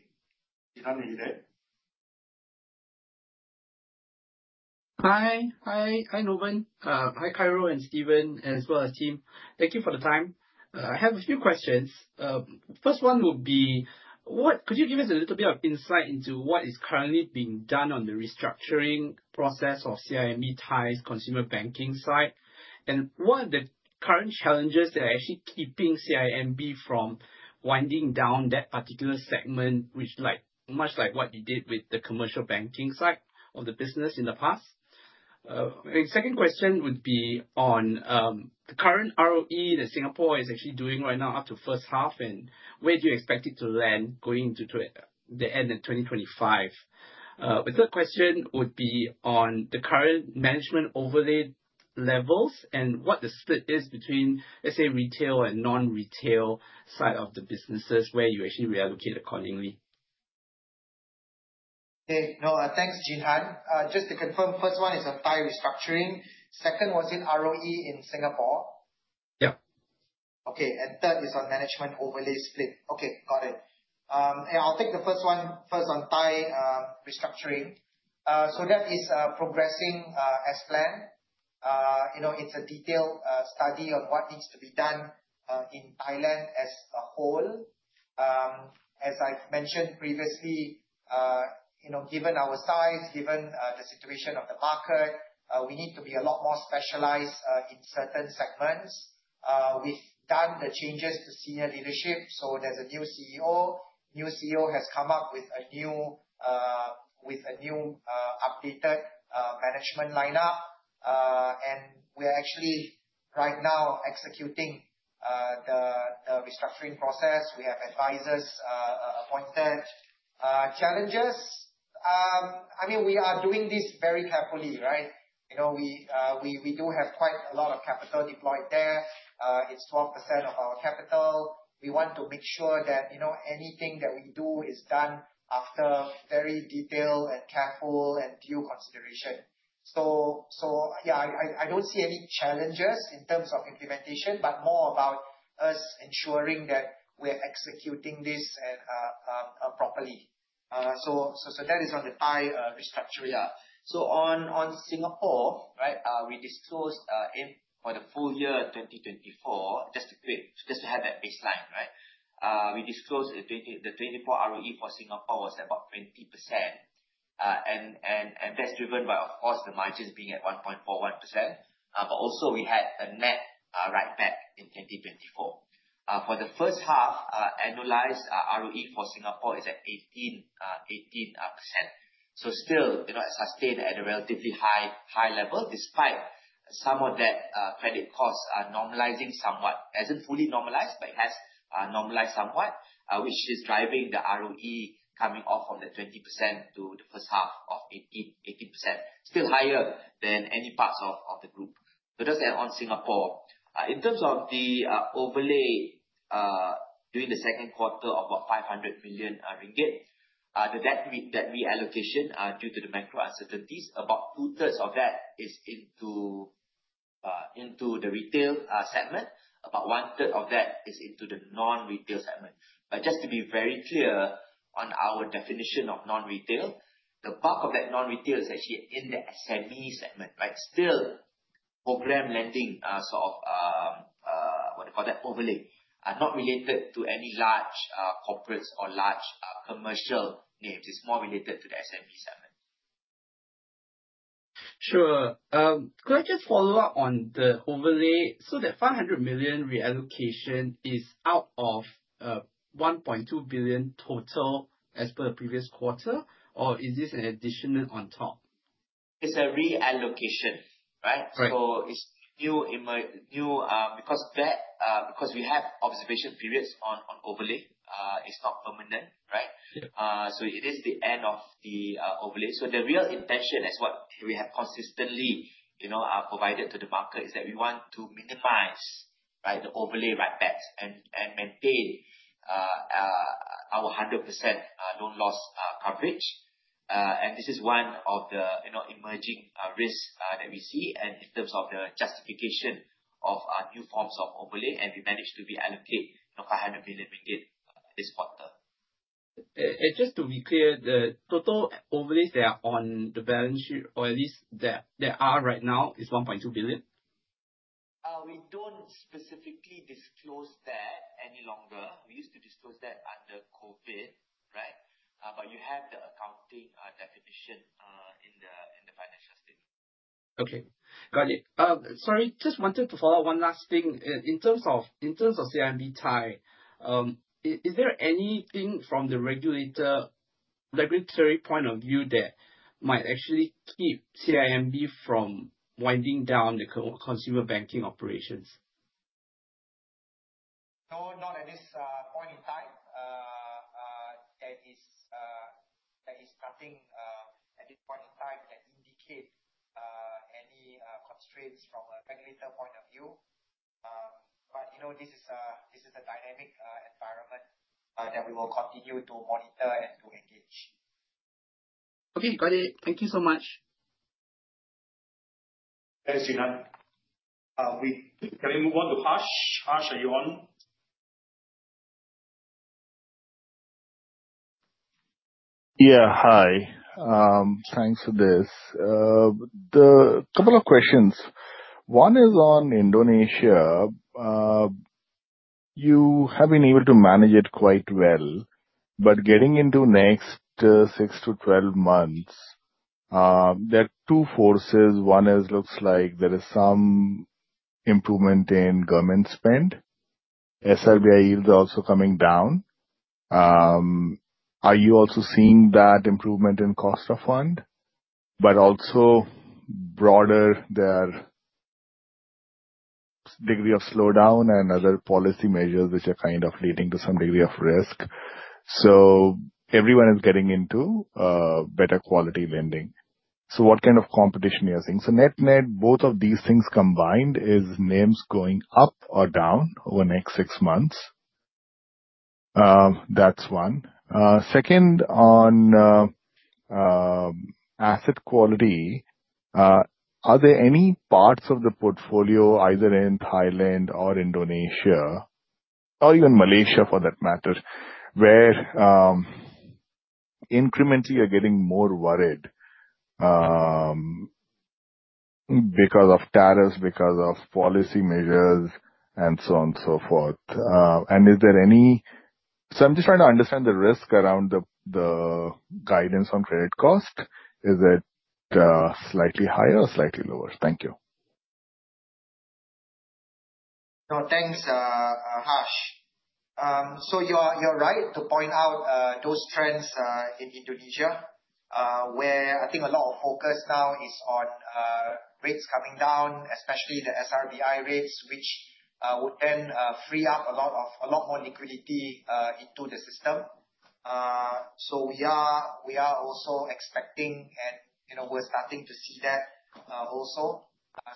Jin Han, are you there? Hi, Novan. Hi, Cairo and Steven, as well as team. Thank you for the time. I have a few questions. First one would be, could you give us a little bit of insight into what is currently being done on the restructuring process of CIMB Thai's consumer banking side, and what are the current challenges that are actually keeping CIMB from winding down that particular segment, much like what you did with the commercial banking side of the business in the past? Second question would be on the current ROE that Singapore is actually doing right now up to first half, and where do you expect it to land going into the end of 2025? Third question would be on the current management overlay levels and what the split is between, let's say, retail and non-retail side of the businesses where you actually reallocate accordingly. Thanks, Jin Han. Just to confirm, first one is a Thai restructuring. Second, was it ROE in Singapore? Yeah. Third is on management overlay split. Got it. I'll take the first one, first on Thai restructuring. That is progressing as planned. It's a detailed study of what needs to be done in Thailand as a whole. As I've mentioned previously, given our size, given the situation of the market, we need to be a lot more specialized in certain segments. We've done the changes to senior leadership, so there's a new CEO. New CEO has come up with a new updated management lineup. We are actually right now executing the restructuring process. We have advisors appointed. Challenges, we are doing this very carefully. We do have quite a lot of capital deployed there. It's 12% of our capital. We want to make sure that anything that we do is done after very detailed and careful, and due consideration. Yeah, I don't see any challenges in terms of implementation, but more about us ensuring that we are executing this properly. That is on the Thai restructure. On Singapore, we disclosed for the full year 2024, just to have that baseline. We disclosed the 2024 ROE for Singapore was about 20%, and that's driven by, of course, the margins being at 1.41%. Also we had a net write-back in 2024. For the first half, annualized ROE for Singapore is at 18%. Still, sustained at a relatively high level, despite some of that credit costs are normalizing somewhat, hasn't fully normalized, but it has normalized somewhat, which is driving the ROE coming off from the 20% to the first half of 18%. Still higher than any parts of the group. That's on Singapore. In terms of the overlay, during the second quarter, about 500 million ringgit, the debt reallocation due to the macro uncertainties, about two-thirds of that is into the retail segment, about one-third of that is into the non-retail segment. Just to be very clear on our definition of non-retail, the bulk of that non-retail is actually in the SME segment. Still, program lending, sort of, what do you call that overlay, are not related to any large corporates or large commercial names. It's more related to the SME segment. Sure. Could I just follow up on the overlay? That 500 million reallocation is out of 1.2 billion total as per the previous quarter, or is this an additional on top? It's a reallocation. Right. We have observation periods on overlay, it's not permanent. It is the end of the overlay. The real intention as what we have consistently provided to the market is that we want to minimize the overlay write-backs and maintain our 100% loan loss coverage. This is one of the emerging risks that we see, in terms of the justification of new forms of overlay, we managed to reallocate 500 million ringgit this quarter. Just to be clear, the total overlays that are on the balance sheet, or at least that are right now, is 1.2 billion? We don't specifically disclose that any longer. We used to disclose that under COVID. You have the accounting definition in the financial statement. Okay, got it. Sorry, just wanted to follow up one last thing. In terms of CIMB Thai, is there anything from the regulatory point of view that might actually keep CIMB from winding down the consumer banking operations? No, not at this point in time. There is nothing at this point in time that indicate any constraints from a regulator point of view. This is a dynamic environment that we will continue to monitor and to engage. Okay, got it. Thank you so much. Thanks, Jin Han. Can we move on to Harsh? Harsh, are you on? Yeah, hi. Thanks for this. The couple of questions. One is on Indonesia. You have been able to manage it quite well, but getting into next six to 12 months, there are two forces. One is, looks like there is some improvement in government spend, SRBI yield also coming down. Are you also seeing that improvement in cost of fund, but also broader, their degree of slowdown and other policy measures which are kind of leading to some degree of risk? Everyone is getting into better quality lending. What kind of competition you are seeing? Net-net, both of these things combined, is NIMs going up or down over the next six months? That's one. Second, on asset quality, are there any parts of the portfolio, either in Thailand or Indonesia or even Malaysia for that matter, where, incrementally, you're getting more worried, because of tariffs, because of policy measures and so on and so forth. I'm just trying to understand the risk around the guidance on credit cost. Is it slightly higher or slightly lower? Thank you. Thanks, Harsh. You are right to point out those trends in Indonesia, where I think a lot of focus now is on rates coming down, especially the SRBI rates, which would then free up a lot more liquidity into the system. We are also expecting and we are starting to see that also.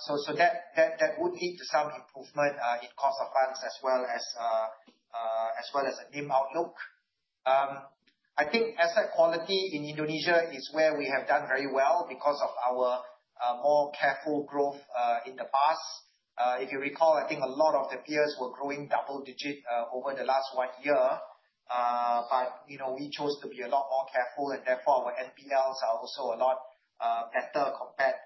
That would lead to some improvement in cost of funds as well as a NIM outlook. I think asset quality in Indonesia is where we have done very well because of our more careful growth in the past. If you recall, I think a lot of the peers were growing double digit over the last 1 year. We chose to be a lot more careful, and therefore, our NPLs are also a lot better compared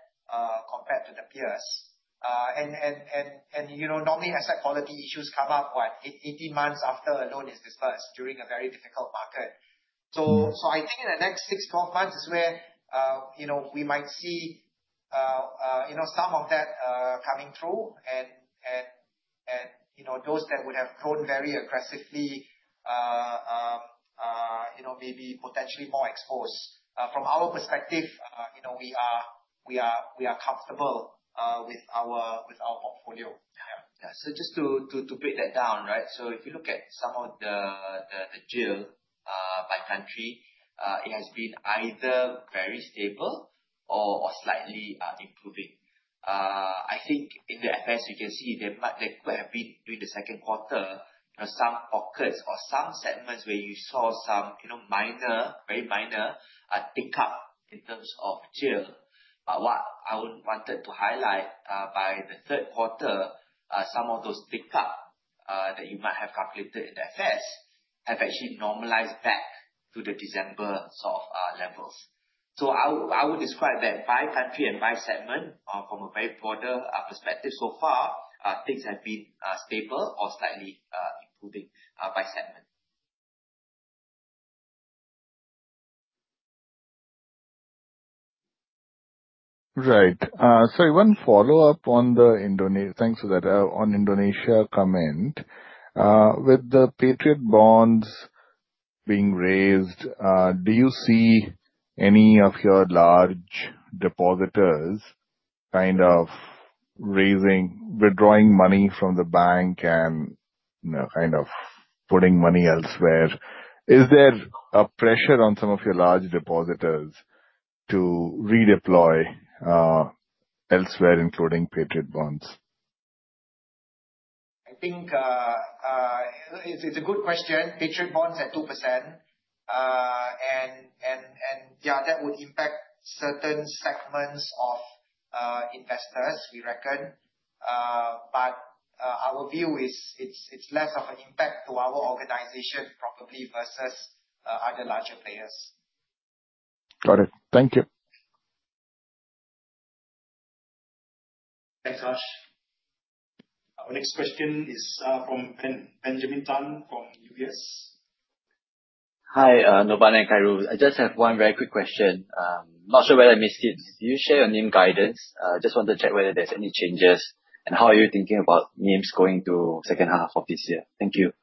to the peers. Normally, asset quality issues come up, what, 18 months after a loan is dispersed during a very difficult market. I think in the next 6 to 12 months is where we might see some of that coming through and those that would have grown very aggressively may be potentially more exposed. From our perspective, we are comfortable with our portfolio. Just to break that down, right. If you look at some of the GIL by country, it has been either very stable or slightly improving. I think in the FS, you can see there could have been during the second quarter, some pockets or some segments where you saw some minor, very minor tick up in terms of GIL. What I would wanted to highlight, by the third quarter, some of those tick up that you might have calculated in the FS, have actually normalized back to the December sort of levels. I would describe that by country and by segment from a very broader perspective, so far, things have been stable or slightly improving by segment. One follow-up on the Indo. Thanks for that on Indonesia comment. With the Patriot bonds being raised, do you see any of your large depositors kind of withdrawing money from the bank and kind of putting money elsewhere? Is there a pressure on some of your large depositors to redeploy elsewhere, including Patriot bonds? It's a good question. Patriot Bonds at 2%, and yeah, that would impact certain segments of investors, we reckon. Our view is it's less of an impact to our organization probably versus other larger players. Got it. Thank you. Thanks, Harsh. Our next question is from Benjamin Tan from UBS. Hi, Novan and Khairul. I just have one very quick question. Not sure whether I missed it. Can you share your NIM guidance? Just want to check whether there's any changes, and how are you thinking about NIMs going to second half of this year. Thank you.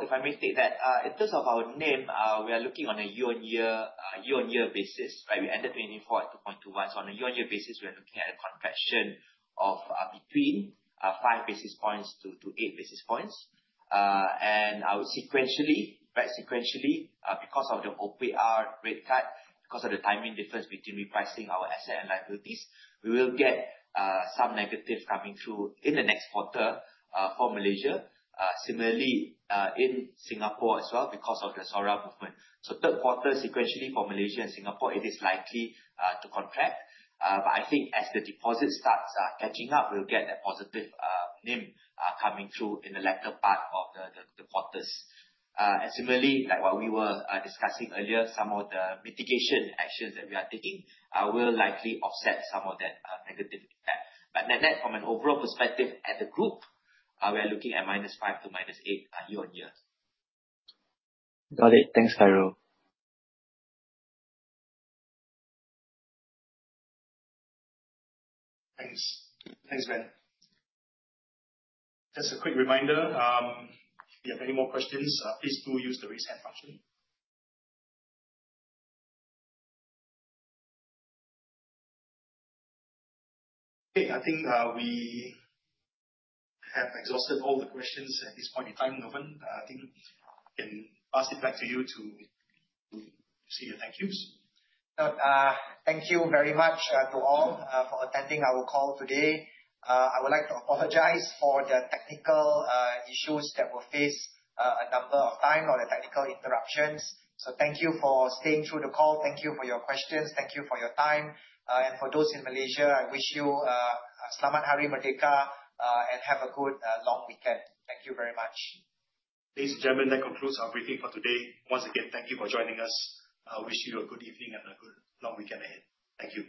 If I may take that, in terms of our NIM, we are looking on a year-on-year basis, right? We ended 2024 at 2.21. On a year-on-year basis, we are looking at a compression of between 5 basis points to 8 basis points. I would sequentially, because of the OPR rate cut, because of the timing difference between repricing our asset and liabilities, we will get some negatives coming through in the next quarter, for Malaysia. Similarly, in Singapore as well, because of the SORA movement. Third quarter sequentially for Malaysia and Singapore, it is likely to contract. I think as the deposit starts catching up, we'll get that positive NIM coming through in the latter part of the quarters. Similarly, like what we were discussing earlier, some of the mitigation actions that we are taking will likely offset some of that negative impact. Net-net, from an overall perspective at the group, we are looking at -5 to -8, year-on-year. Got it. Thanks, Khairul. Thanks. Thanks, Ben. Just a quick reminder, if you have any more questions, please do use the Raise Hand button. I think we have exhausted all the questions at this point in time, Novan. I think we can pass it back to you to say your thank yous. Thank you very much to all for attending our call today. I would like to apologize for the technical issues that we faced a number of time or the technical interruptions. Thank you for staying through the call. Thank you for your questions. Thank you for your time. For those in Malaysia, I wish you Selamat Hari Merdeka, and have a good, long weekend. Thank you very much. Ladies and gentlemen, that concludes our briefing for today. Once again, thank you for joining us. I wish you a good evening and a good long weekend ahead. Thank you.